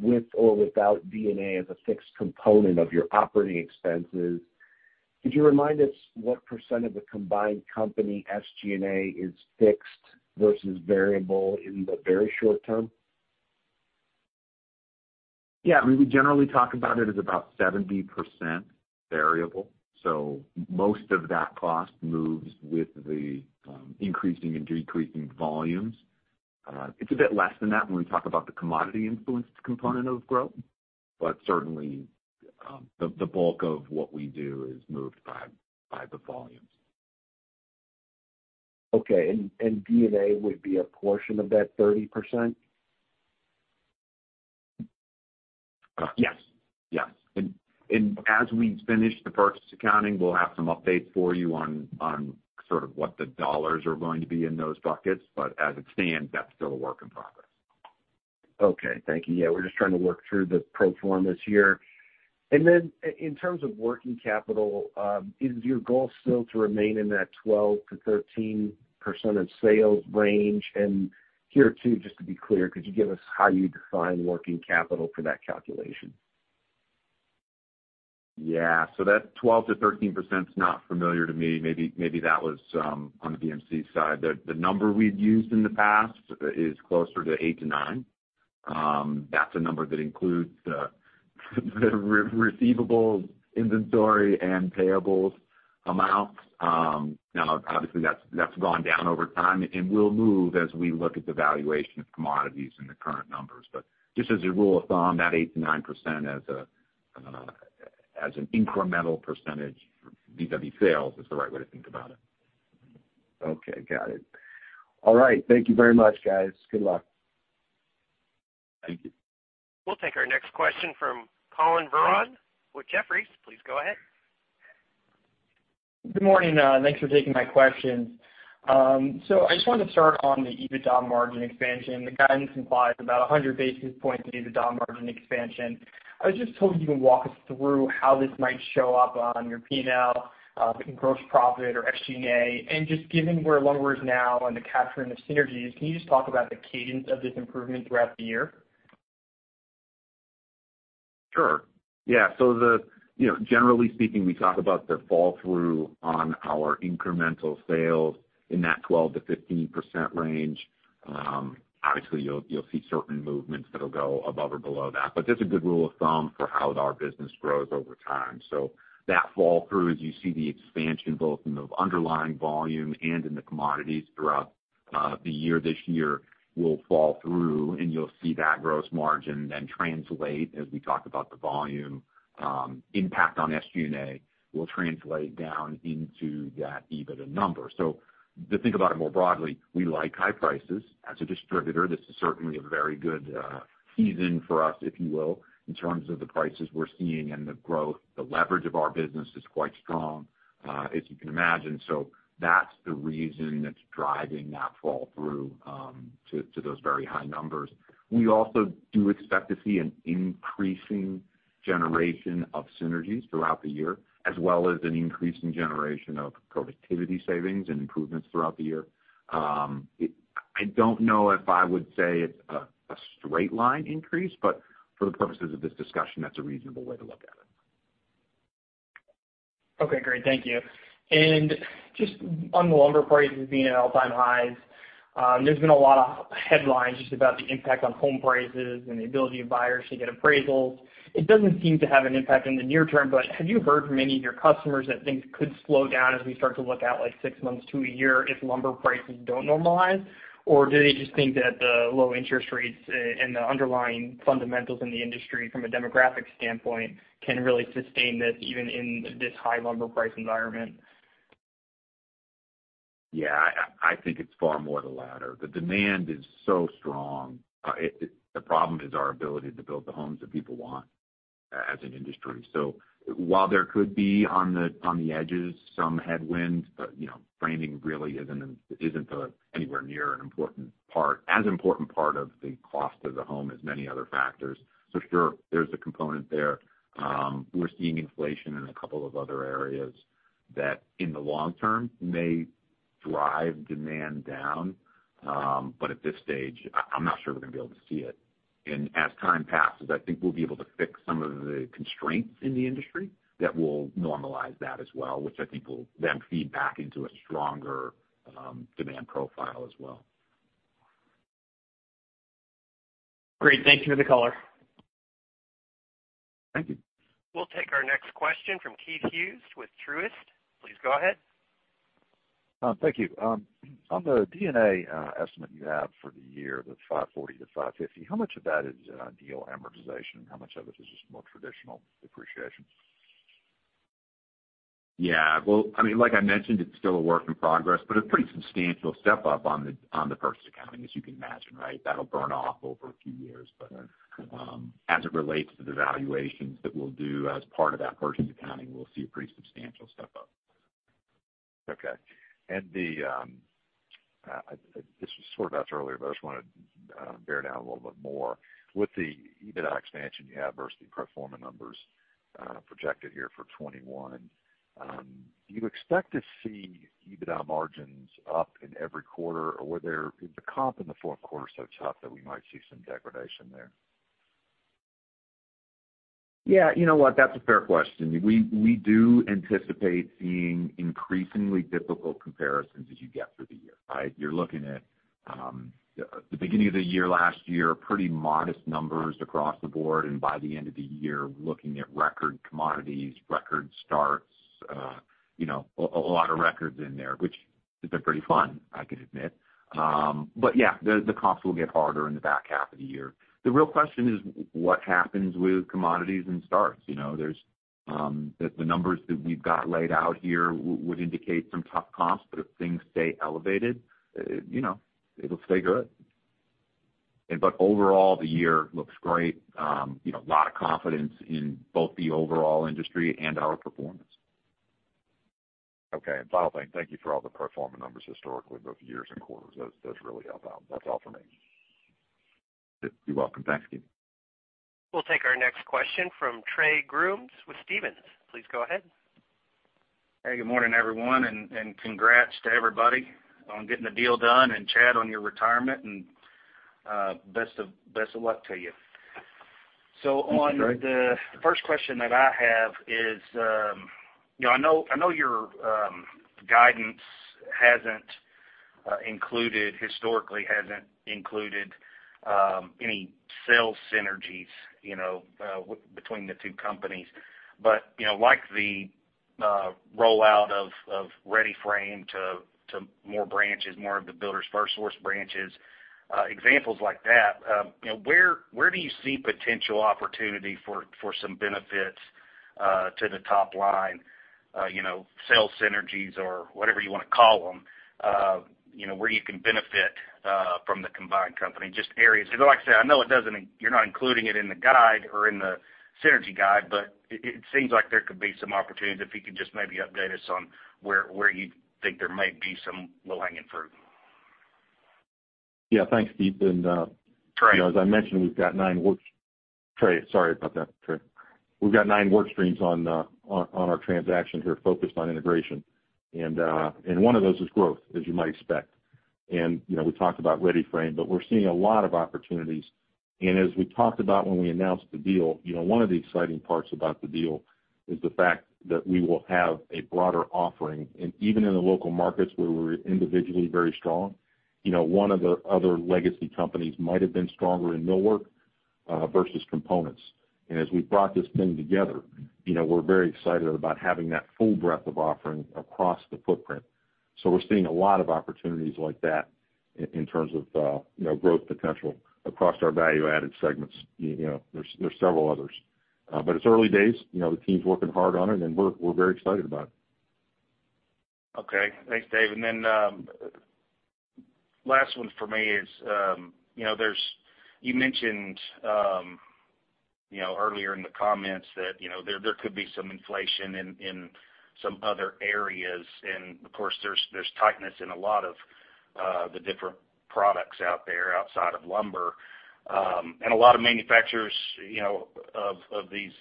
with or without D&A as a fixed component of your operating expenses. Could you remind us what % of the combined company SG&A is fixed versus variable in the very short term? Yeah. We generally talk about it as about 70% variable. Most of that cost moves with the increasing and decreasing volumes. It's a bit less than that when we talk about the commodity influenced component of growth, certainly, the bulk of what we do is moved by the volumes. Okay. D&A would be a portion of that 30%? Yes. As we finish the purchase accounting, we'll have some updates for you on sort of what the dollars are going to be in those buckets. As it stands, that's still a work in progress. Okay. Thank you. Yeah. We're just trying to work through the pro formas here. In terms of working capital, is your goal still to remain in that 12% to 13% of sales range? Here too, just to be clear, could you give us how you define working capital for that calculation? That 12%-13% is not familiar to me. Maybe that was on the BMC side. The number we've used in the past is closer to eight to nine. That's a number that includes the receivables, inventory, and payables amount. Obviously, that's gone down over time, and will move as we look at the valuation of commodities in the current numbers. Just as a rule of thumb, that 8%-9% as an incremental percentage vis-a-vis sales is the right way to think about it. Okay, got it. All right. Thank you very much, guys. Good luck. Thank you. We'll take our next question from Collin Verron with Jefferies. Please go ahead. Good morning. Thanks for taking my questions. I just wanted to start on the EBITDA margin expansion. The guidance implies about 100 basis points in EBITDA margin expansion. I was just told you can walk us through how this might show up on your P&L, gross profit or SG&A, and just given where Lumber is now on the capturing of synergies, can you just talk about the cadence of this improvement throughout the year? Sure. Yeah. Generally speaking, we talk about the fall through on our incremental sales in that 12%-15% range. Obviously, you'll see certain movements that'll go above or below that, but that's a good rule of thumb for how our business grows over time. That fall through, as you see the expansion both in the underlying volume and in the commodities throughout, the year this year will fall through, and you'll see that gross margin then translate as we talk about the volume impact on SG&A will translate down into that EBITDA number. To think about it more broadly, we like high prices. As a distributor, this is certainly a very good season for us, if you will, in terms of the prices we're seeing and the growth. The leverage of our business is quite strong as you can imagine. That's the reason that's driving that fall through to those very high numbers. We also do expect to see an increasing generation of synergies throughout the year, as well as an increase in generation of productivity savings and improvements throughout the year. I don't know if I would say it's a straight line increase, but for the purposes of this discussion, that's a reasonable way to look at it. Okay, great. Thank you. Just on the lumber prices being at all-time highs, there's been a lot of headlines just about the impact on home prices and the ability of buyers to get appraisals. It doesn't seem to have an impact in the near term, but have you heard from any of your customers that things could slow down as we start to look out like six months to a year if lumber prices don't normalize? Do they just think that the low interest rates and the underlying fundamentals in the industry from a demographic standpoint can really sustain this even in this high lumber price environment? Yeah, I think it's far more the latter. The demand is so strong. The problem is our ability to build the homes that people want as an industry. While there could be, on the edges, some headwind, framing really isn't anywhere near an important part, as important part of the cost of the home as many other factors. Sure, there's a component there. We're seeing inflation in a couple of other areas that, in the long term, may drive demand down. At this stage, I'm not sure we're going to be able to see it. As time passes, I think we'll be able to fix some of the constraints in the industry that will normalize that as well, which I think will then feed back into a stronger demand profile as well. Great. Thank you for the color. Thank you. We'll take our next question from Keith Hughes with Truist. Please go ahead. Thank you. On the D&A estimate you have for the year, the 540 to 550, how much of that is deal amortization and how much of it is just more traditional depreciation? Well, like I mentioned, it's still a work in progress, but a pretty substantial step-up on the purchase accounting, as you can imagine, right? That'll burn off over a few years. Right. As it relates to the valuations that we'll do as part of that purchase accounting, we'll see a pretty substantial step-up. Okay. This was sort of asked earlier, but I just want to bear down a little bit more. With the EBITDA expansion you have versus the pro forma numbers projected here for 2021, do you expect to see EBITDA margins up in every quarter? Is the comp in the fourth quarter so tough that we might see some degradation there? Yeah, you know what? That's a fair question. We do anticipate seeing increasingly difficult comparisons as you get through the year, right? You're looking at the beginning of the year last year, pretty modest numbers across the board, and by the end of the year, looking at record commodities, record starts. A lot of records in there, which is pretty fun, I can admit. Yeah, the comps will get harder in the back half of the year. The real question is what happens with commodities and starts? The numbers that we've got laid out here would indicate some tough comps, but if things stay elevated, it'll stay good. Overall, the year looks great. A lot of confidence in both the overall industry and our performance. Okay. Final thing. Thank you for all the pro forma numbers historically, both years and quarters. That's really helpful. That's all for me. You're welcome. Thanks, Keith. We'll take our next question from Trey Grooms with Stephens. Please go ahead. Hey, good morning, everyone, and congrats to everybody on getting the deal done, and Chad, on your retirement, and best of luck to you. Thanks, Trey. On the first question that I have is, I know your guidance historically hasn't included any sales synergies between the two companies, like the rollout of READY-FRAME to more branches, more of the Builders FirstSource branches, examples like that. Sales synergies or whatever you want to call them, where you can benefit from the combined company. Just areas. Like I said, you're not including it in the guide or in the synergy guide, but it seems like there could be some opportunities. If you could just maybe update us on where you think there may be some low-hanging fruit. Yeah. Thanks, Trey. Trey. Trey, sorry about that. Trey. We've got nine work streams on our transaction here focused on integration. One of those is growth, as you might expect. We talked about READY-FRAME, but we're seeing a lot of opportunities. As we talked about when we announced the deal, one of the exciting parts about the deal is the fact that we will have a broader offering. Even in the local markets where we're individually very strong, one of the other legacy companies might have been stronger in millwork versus components. As we've brought this thing together, we're very excited about having that full breadth of offering across the footprint. We're seeing a lot of opportunities like that in terms of growth potential across our value-added segments. There's several others. It's early days. The team's working hard on it, and we're very excited about it. Okay. Thanks, Dave. Last one for me is, you mentioned earlier in the comments that there could be some inflation in some other areas, and of course, there's tightness in a lot of the different products out there outside of lumber. A lot of manufacturers of these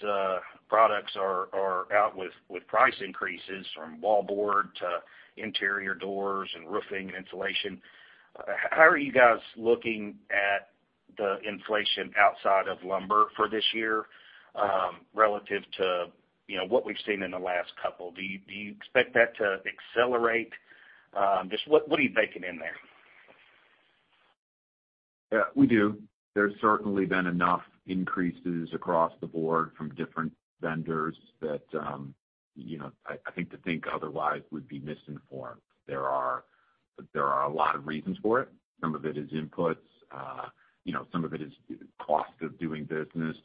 products are out with price increases, from wallboard to interior doors and roofing and insulation. How are you guys looking at the inflation outside of lumber for this year relative to what we've seen in the last couple? Do you expect that to accelerate? Just what are you baking in there? Yeah, we do. There's certainly been enough increases across the board from different vendors that I think to think otherwise would be misinformed. There are a lot of reasons for it. Some of it is inputs. Some of it is cost of doing business.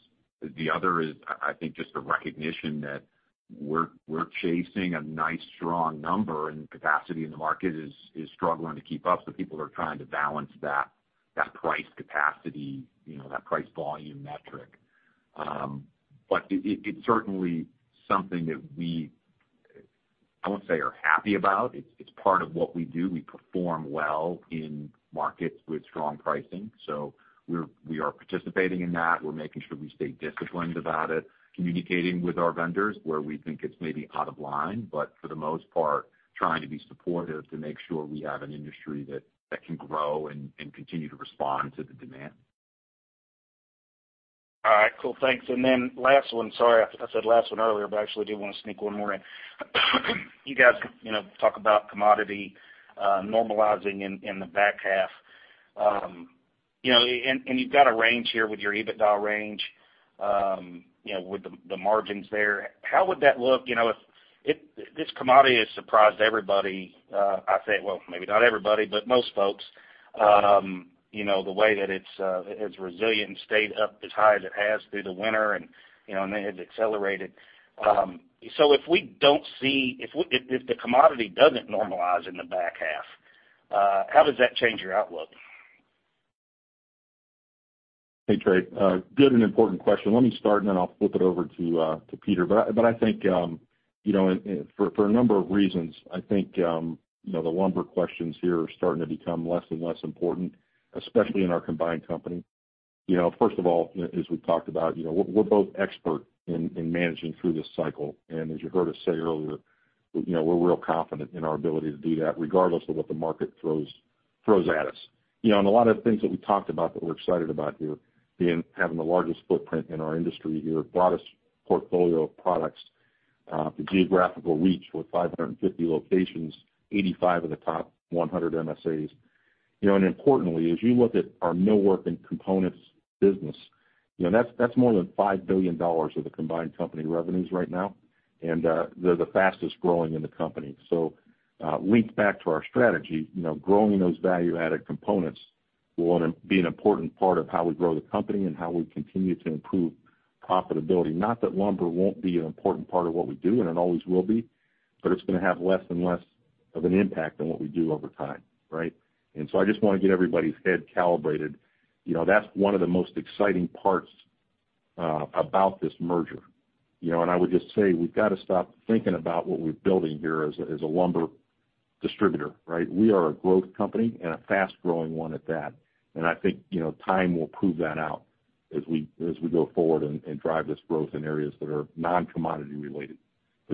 The other is, I think, just the recognition that we're chasing a nice, strong number, and capacity in the market is struggling to keep up. People are trying to balance that price capacity, that price volume metric. It's certainly something that we, I won't say are happy about. It's part of what we do. We perform well in markets with strong pricing. We are participating in that. We're making sure we stay disciplined about it, communicating with our vendors where we think it's maybe out of line, but for the most part, trying to be supportive to make sure we have an industry that can grow and continue to respond to the demand. All right, cool. Thanks. Last one, sorry, I said last one earlier, but I actually do want to sneak one more in. You guys talk about commodity normalizing in the back half. You've got a range here with your EBITDA range with the margins there. How would that look? This commodity has surprised everybody. I say, well, maybe not everybody, but most folks. The way that its resilience stayed up as high as it has through the winter, and then it has accelerated. If the commodity doesn't normalize in the back half, how does that change your outlook? Hey, Trey. Good and important question. Let me start, then I'll flip it over to Peter. I think for a number of reasons, I think, the lumber questions here are starting to become less and less important, especially in our combined company. First of all, as we've talked about, we're both expert in managing through this cycle. As you heard us say earlier, we're real confident in our ability to do that regardless of what the market throws at us. A lot of the things that we talked about that we're excited about here, having the largest footprint in our industry here, broadest portfolio of products, the geographical reach with 550 locations, 85 of the top 100 MSAs. Importantly, as you look at our millwork and components business, that's more than $5 billion of the combined company revenues right now, and they're the fastest-growing in the company. Links back to our strategy, growing those value-added components will be an important part of how we grow the company and how we continue to improve profitability. Not that lumber won't be an important part of what we do, and it always will be, but it's going to have less and less of an impact on what we do over time. Right? I just want to get everybody's head calibrated. That's one of the most exciting parts about this merger. I would just say we've got to stop thinking about what we're building here as a lumber distributor, right? We are a growth company and a fast-growing one at that. I think time will prove that out as we go forward and drive this growth in areas that are non-commodity related.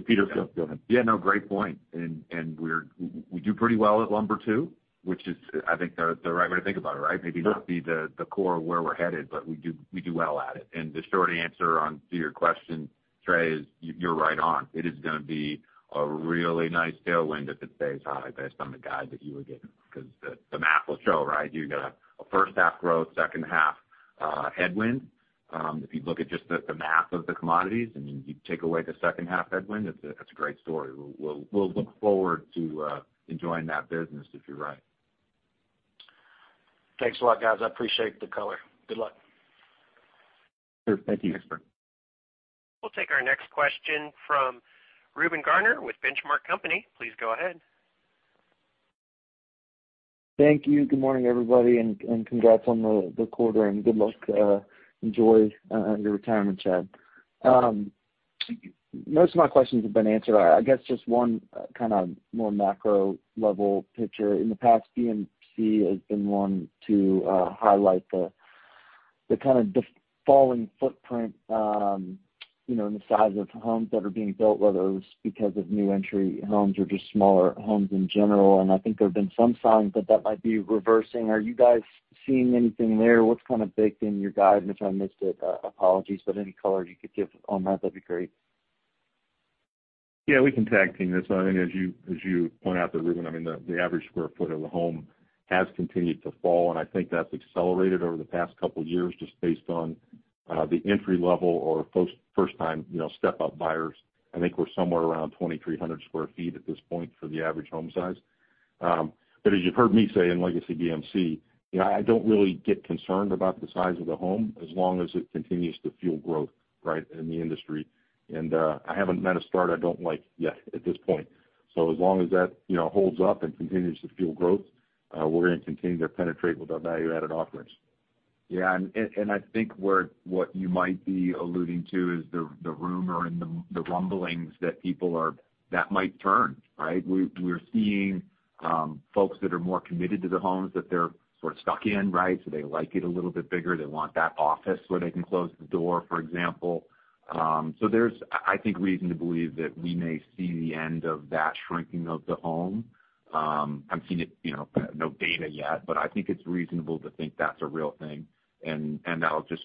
Peter, go ahead. Yeah, no, great point. We do pretty well at lumber, too, which is, I think, the right way to think about it, right? Maybe not be the core of where we're headed, but we do well at it. The short answer to your question, Trey, is you're right on. It is going to be a really nice tailwind if it stays high based on the guide that you were given because the math will show, right? You got a first half growth, second half headwind. If you look at just the math of the commodities and you take away the second half headwind, it's a great story. We'll look forward to enjoying that business if you're right. Thanks a lot, guys. I appreciate the color. Good luck. Sure. Thank you. Thanks. We'll take our next question from Reuben Garner with The Benchmark Company. Please go ahead. Thank you. Good morning, everybody, and congrats on the quarter and good luck. Enjoy your retirement, Chad. Most of my questions have been answered. I guess just one kind of more macro-level picture. In the past, BMC has been one to highlight the kind of falling footprint, the size of homes that are being built, whether it was because of new entry homes or just smaller homes in general. I think there have been some signs that that might be reversing. Are you guys seeing anything there? What's kind of baked in your guide? If I missed it, apologies, but any color you could give on that'd be great. Yeah, we can tag-team this one. As you point out there, Reuben, the average square foot of the home has continued to fall, and I think that's accelerated over the past couple of years just based on the entry level or first-time step-up buyers. I think we're somewhere around 2,300 square feet at this point for the average home size. As you've heard me say in Legacy BMC, I don't really get concerned about the size of the home as long as it continues to fuel growth in the industry. I haven't met a start I don't like yet at this point. As long as that holds up and continues to fuel growth, we're going to continue to penetrate with our value-added offerings. Yeah, I think what you might be alluding to is the rumor and the rumblings that might turn, right? We're seeing folks that are more committed to the homes that they're sort of stuck in, right? They like it a little bit bigger. They want that office where they can close the door, for example. There's, I think, reason to believe that we may see the end of that shrinking of the home. I'm seeing no data yet, but I think it's reasonable to think that's a real thing, and that'll just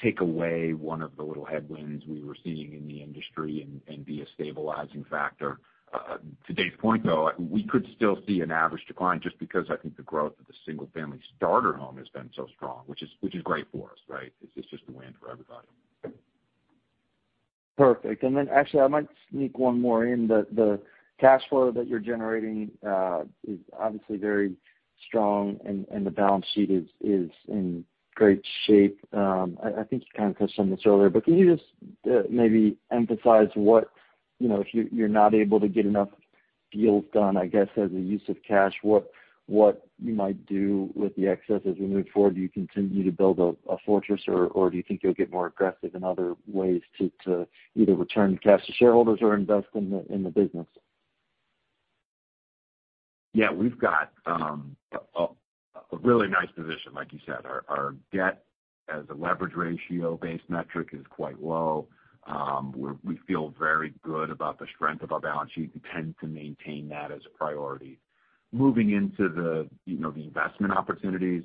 take away one of the little headwinds we were seeing in the industry and be a stabilizing factor. To Dave's point, though, we could still see an average decline just because I think the growth of the single-family starter home has been so strong, which is great for us, right? It's just a win for everybody. Perfect. Actually, I might sneak one more in. The cash flow that you're generating is obviously very strong, and the balance sheet is in great shape. I think you kind of touched on this earlier, but can you just maybe emphasize if you're not able to get enough deals done, I guess, as a use of cash, what you might do with the excess as we move forward? Do you continue to build a fortress, or do you think you'll get more aggressive in other ways to either return cash to shareholders or invest in the business? Yeah. We've got a really nice position, like you said. Our debt as a leverage ratio-based metric is quite low. We feel very good about the strength of our balance sheet. We intend to maintain that as a priority. Moving into the investment opportunities,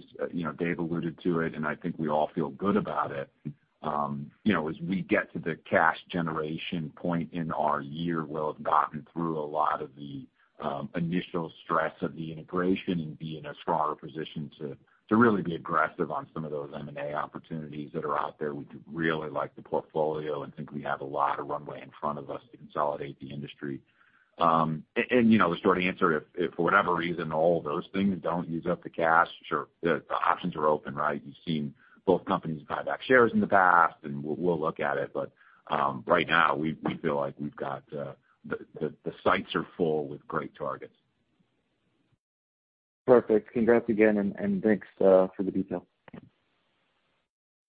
Dave alluded to it, and I think we all feel good about it. As we get to the cash generation point in our year, we'll have gotten through a lot of the initial stress of the integration and be in a stronger position to really be aggressive on some of those M&A opportunities that are out there. We do really like the portfolio and think we have a lot of runway in front of us to consolidate the industry. The short answer, if for whatever reason, all those things don't use up the cash, sure, the options are open, right? You've seen both companies buy back shares in the past, and we'll look at it. Right now, we feel like the sights are full with great targets. Perfect. Congrats again, and thanks for the detail.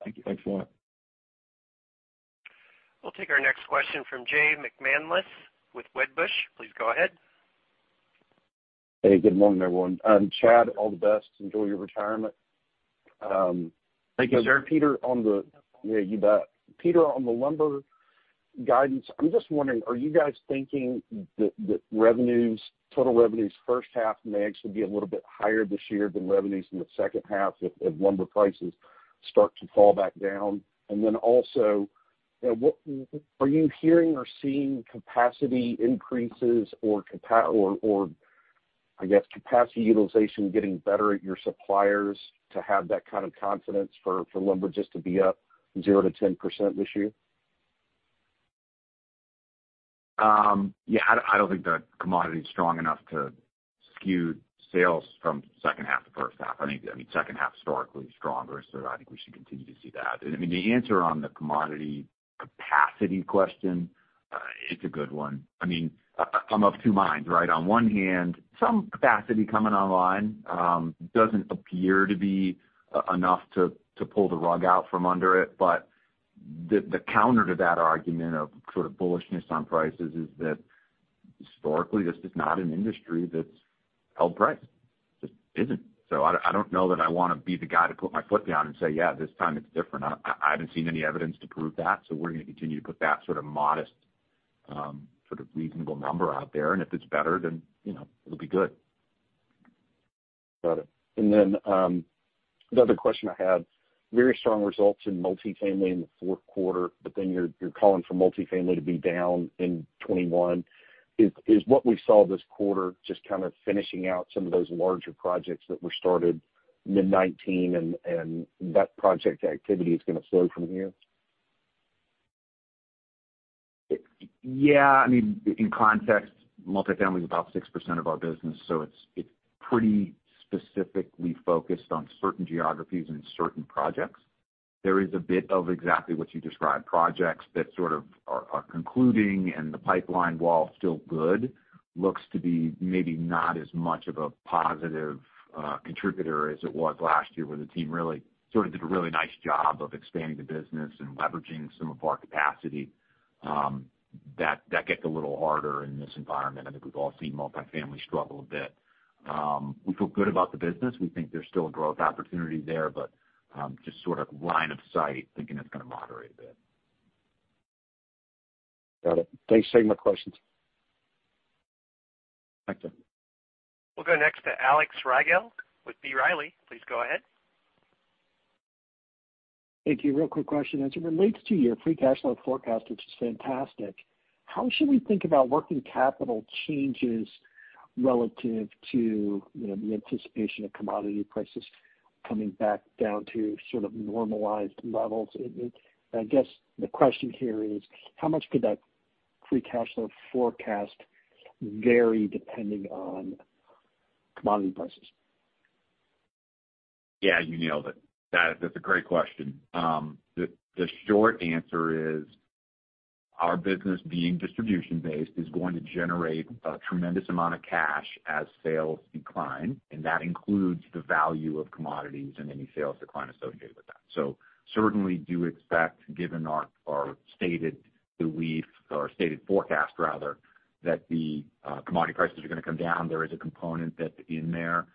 Thank you. Thanks a lot. We'll take our next question from Jay McCanless with Wedbush. Please go ahead. Hey, good morning, everyone. Chad, all the best. Enjoy your retirement. Thank you, sir. Peter, on the lumber guidance, I am just wondering, are you guys thinking that total revenues first half may actually be a little bit higher this year than revenues in the second half if lumber prices start to fall back down? Also, are you hearing or seeing capacity increases or, I guess, capacity utilization getting better at your suppliers to have that kind of confidence for lumber just to be up 0% to 10% this year? Yeah. I don't think the commodity is strong enough to skew sales from second half to first half. I think second half historically is stronger, so I think we should continue to see that. The answer on the commodity capacity question, it's a good one. I'm of two minds, right? On one hand, some capacity coming online doesn't appear to be enough to pull the rug out from under it. The counter to that argument of sort of bullishness on prices is that historically, this is not an industry that's held price. Just isn't. I don't know that I want to be the guy to put my foot down and say, "Yeah, this time it's different." I haven't seen any evidence to prove that, so we're going to continue to put that sort of modest, reasonable number out there. If it's better, then it'll be good. Got it. The other question I had. Very strong results in multifamily in the fourth quarter, but then you're calling for multifamily to be down in 2021. Is what we saw this quarter just kind of finishing out some of those larger projects that were started mid-2019, and that project activity is going to slow from here? In context, multifamily is about 6% of our business, so it's pretty specifically focused on certain geographies and certain projects. There is a bit of exactly what you described. Projects that sort of are concluding, and the pipeline, while still good, looks to be maybe not as much of a positive contributor as it was last year, where the team sort of did a really nice job of expanding the business and leveraging some of our capacity. That gets a little harder in this environment. I think we've all seen multifamily struggle a bit. We feel good about the business. We think there's still growth opportunity there, but just sort of line of sight, thinking it's going to moderate a bit. Got it. Thanks. Save my questions. Thank you. We'll go next to Alex Rygiel with B. Riley. Please go ahead. Thank you. Real quick question. As it relates to your free cash flow forecast, which is fantastic, how should we think about working capital changes relative to the anticipation of commodity prices coming back down to sort of normalized levels? I guess the question here is, how much could that free cash flow forecast vary depending on commodity prices? Yeah, you nailed it. That's a great question. The short answer is, our business being distribution-based is going to generate a tremendous amount of cash as sales decline, and that includes the value of commodities and any sales decline associated with that. Certainly do expect, given our stated belief or stated forecast rather, that the commodity prices are going to come down. There is a component that's in there.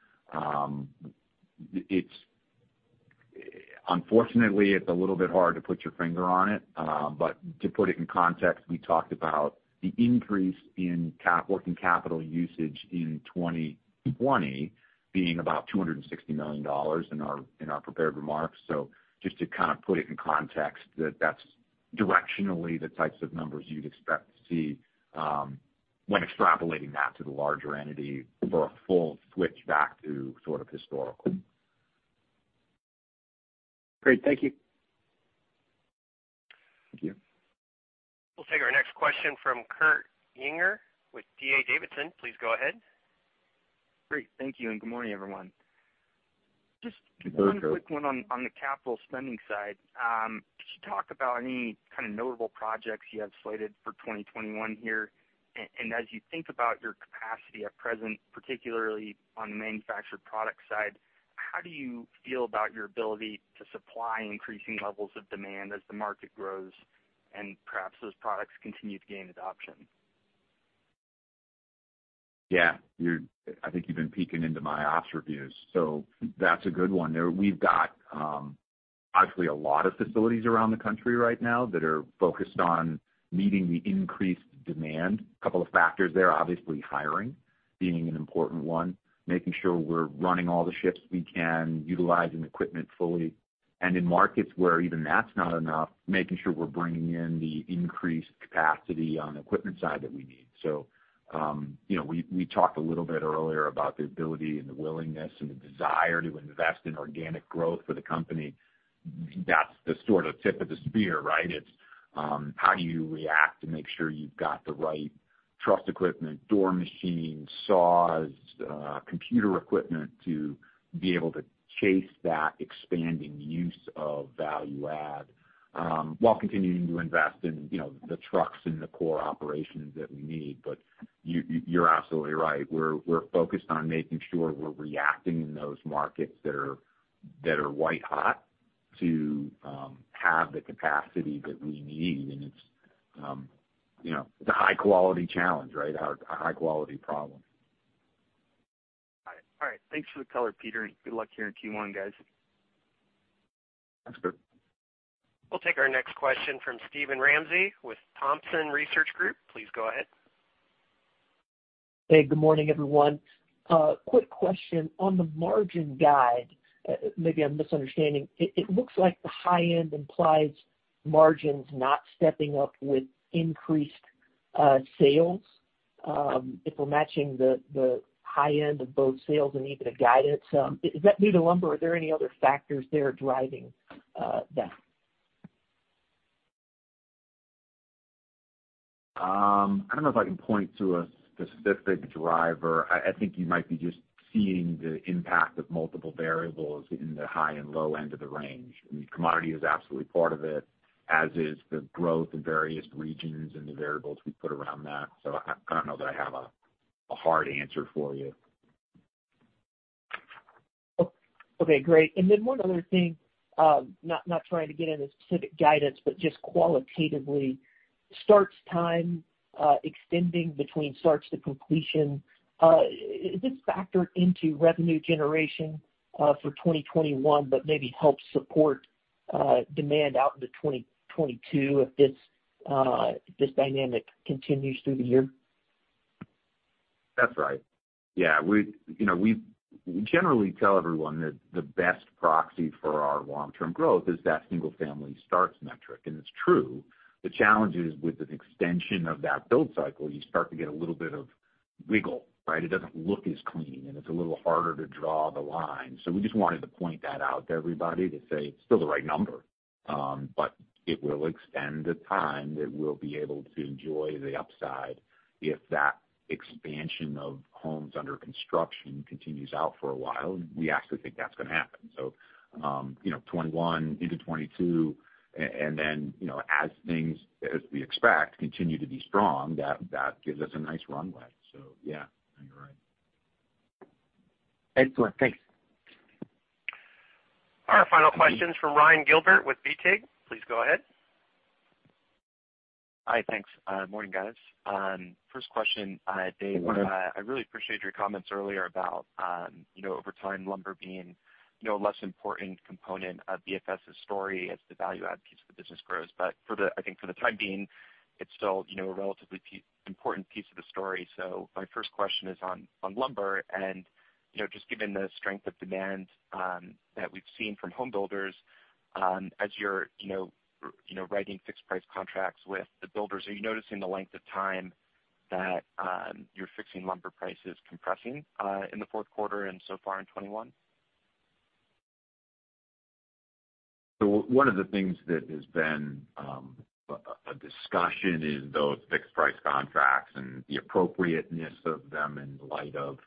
Unfortunately, it's a little bit hard to put your finger on it. To put it in context, we talked about the increase in working capital usage in 2020 being about $260 million in our prepared remarks. Just to kind of put it in context that that's directionally, the types of numbers you'd expect to see when extrapolating that to the larger entity for a full switch back to historical. Great. Thank you. Thank you. We'll take our next question from Kurt Yinger with D.A. Davidson. Please go ahead. Great. Thank you. Good morning, everyone. Good morning, Kurt. Just a quick one on the capital spending side. Could you talk about any kind of notable projects you have slated for 2021 here? As you think about your capacity at present, particularly on the manufactured product side, how do you feel about your ability to supply increasing levels of demand as the market grows and perhaps those products continue to gain adoption? Yeah. I think you've been peeking into my ops reviews, so that's a good one there. We've got obviously a lot of facilities around the country right now that are focused on meeting the increased demand. A couple of factors there, obviously hiring being an important one, making sure we're running all the shifts we can, utilizing equipment fully. In markets where even that's not enough, making sure we're bringing in the increased capacity on the equipment side that we need. We talked a little bit earlier about the ability and the willingness and the desire to invest in organic growth for the company. That's the sort of tip of the spear, right? It's how do you react to make sure you've got the right truss equipment, door machines, saws, computer equipment to be able to chase that expanding use of value-add while continuing to invest in the trucks and the core operations that we need. You're absolutely right. We're focused on making sure we're reacting in those markets that are white hot to have the capacity that we need, and it's a high-quality challenge, right? A high-quality problem. All right. Thanks for the color, Peter, and good luck here in Q1, guys. Thanks, Kurt. We'll take our next question from Steven Ramsey with Thompson Research Group. Please go ahead. Hey, good morning, everyone. A quick question. On the margin guide, maybe I'm misunderstanding. It looks like the high end implies margins not stepping up with increased sales. If we're matching the high end of both sales and even the guidance, is that due to lumber? Are there any other factors there driving that? I don't know if I can point to a specific driver. I think you might be just seeing the impact of multiple variables in the high and low end of the range. Commodity is absolutely part of it, as is the growth in various regions and the variables we put around that. I don't know that I have a hard answer for you. Okay, great. One other thing. Not trying to get into specific guidance, but just qualitatively, starts time extending between starts to completion. Is this factored into revenue generation for 2021, but maybe helps support demand out into 2022 if this dynamic continues through the year? That's right. Yeah. We generally tell everyone that the best proxy for our long-term growth is that single-family starts metric, and it's true. The challenge is, with an extension of that build cycle, you start to get a little bit of wiggle, right? It doesn't look as clean, and it's a little harder to draw the line. We just wanted to point that out to everybody to say it's still the right number. It will extend the time that we'll be able to enjoy the upside if that expansion of homes under construction continues out for a while. We actually think that's going to happen. '21 into '22, and then, as we expect, continue to be strong, that gives us a nice runway. Yeah, you're right. Excellent. Thanks. Our final question's from Ryan Gilbert with BTIG. Please go ahead. Hi. Thanks. Morning, guys. First question, Dave. Good morning. I really appreciated your comments earlier about over time, lumber being a less important component of BFS's story as the value add piece of the business grows. I think for the time being, it's still a relatively important piece of the story. My first question is on lumber and just given the strength of demand that we've seen from home builders, as you're writing fixed price contracts with the builders, are you noticing the length of time that you're fixing lumber prices compressing in the fourth quarter and so far in 2021? One of the things that has been a discussion is those fixed price contracts and the appropriateness of them in light of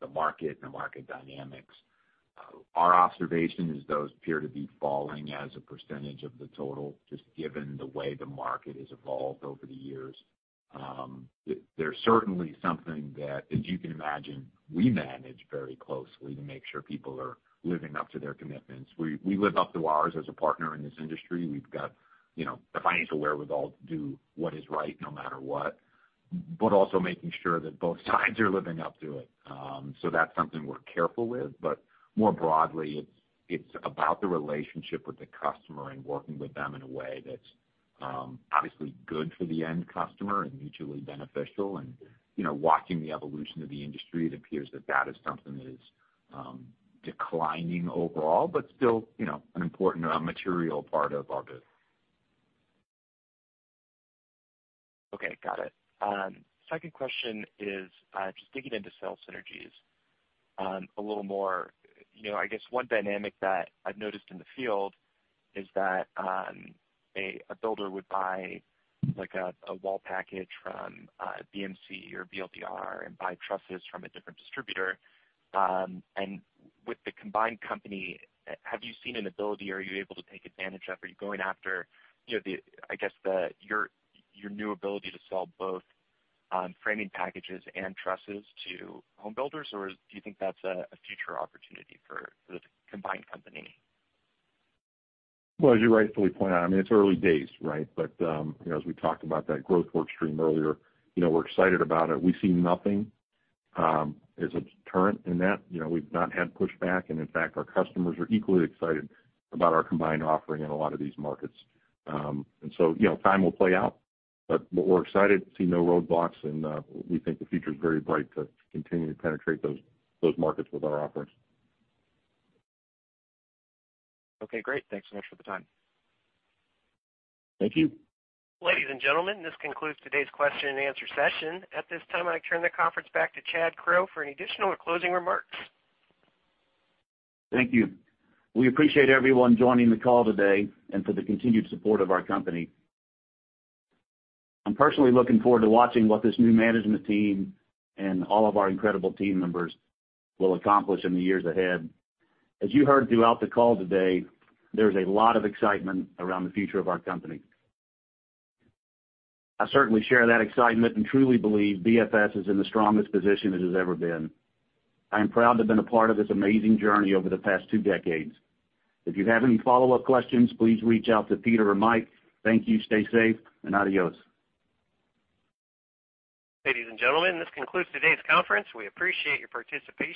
the market and the market dynamics. Our observation is those appear to be falling as a percentage of the total, just given the way the market has evolved over the years. They're certainly something that, as you can imagine, we manage very closely to make sure people are living up to their commitments. We live up to ours as a partner in this industry. We've got the financial wherewithal to do what is right no matter what, but also making sure that both sides are living up to it. That's something we're careful with. More broadly, it's about the relationship with the customer and working with them in a way that's obviously good for the end customer and mutually beneficial. Watching the evolution of the industry, it appears that that is something that is. Declining overall, still an important material part of our business. Okay. Got it. Second question is just digging into sales synergies a little more. I guess one dynamic that I've noticed in the field is that a builder would buy a wall package from a BMC or BLDR and buy trusses from a different distributor. With the combined company, have you seen an ability? Are you able to take advantage of, are you going after your new ability to sell both framing packages and trusses to home builders, or do you think that's a future opportunity for the combined company? Well, as you rightfully point out, it's early days, right? As we talked about that growth work stream earlier, we're excited about it. We see nothing as a deterrent in that. We've not had pushback, and in fact, our customers are equally excited about our combined offering in a lot of these markets. Time will play out. We're excited to see no roadblocks, and we think the future's very bright to continue to penetrate those markets with our offerings. Okay, great. Thanks so much for the time. Thank you. Ladies and gentlemen, this concludes today's question and answer session. At this time, I turn the conference back to Chad Crow for any additional or closing remarks. Thank you. We appreciate everyone joining the call today and for the continued support of our company. I'm personally looking forward to watching what this new management team and all of our incredible team members will accomplish in the years ahead. As you heard throughout the call today, there's a lot of excitement around the future of our company. I certainly share that excitement and truly believe BFS is in the strongest position it has ever been. I am proud to have been a part of this amazing journey over the past two decades. If you have any follow-up questions, please reach out to Peter or Mike. Thank you, stay safe, and adios. Ladies and gentlemen, this concludes today's conference. We appreciate your participation.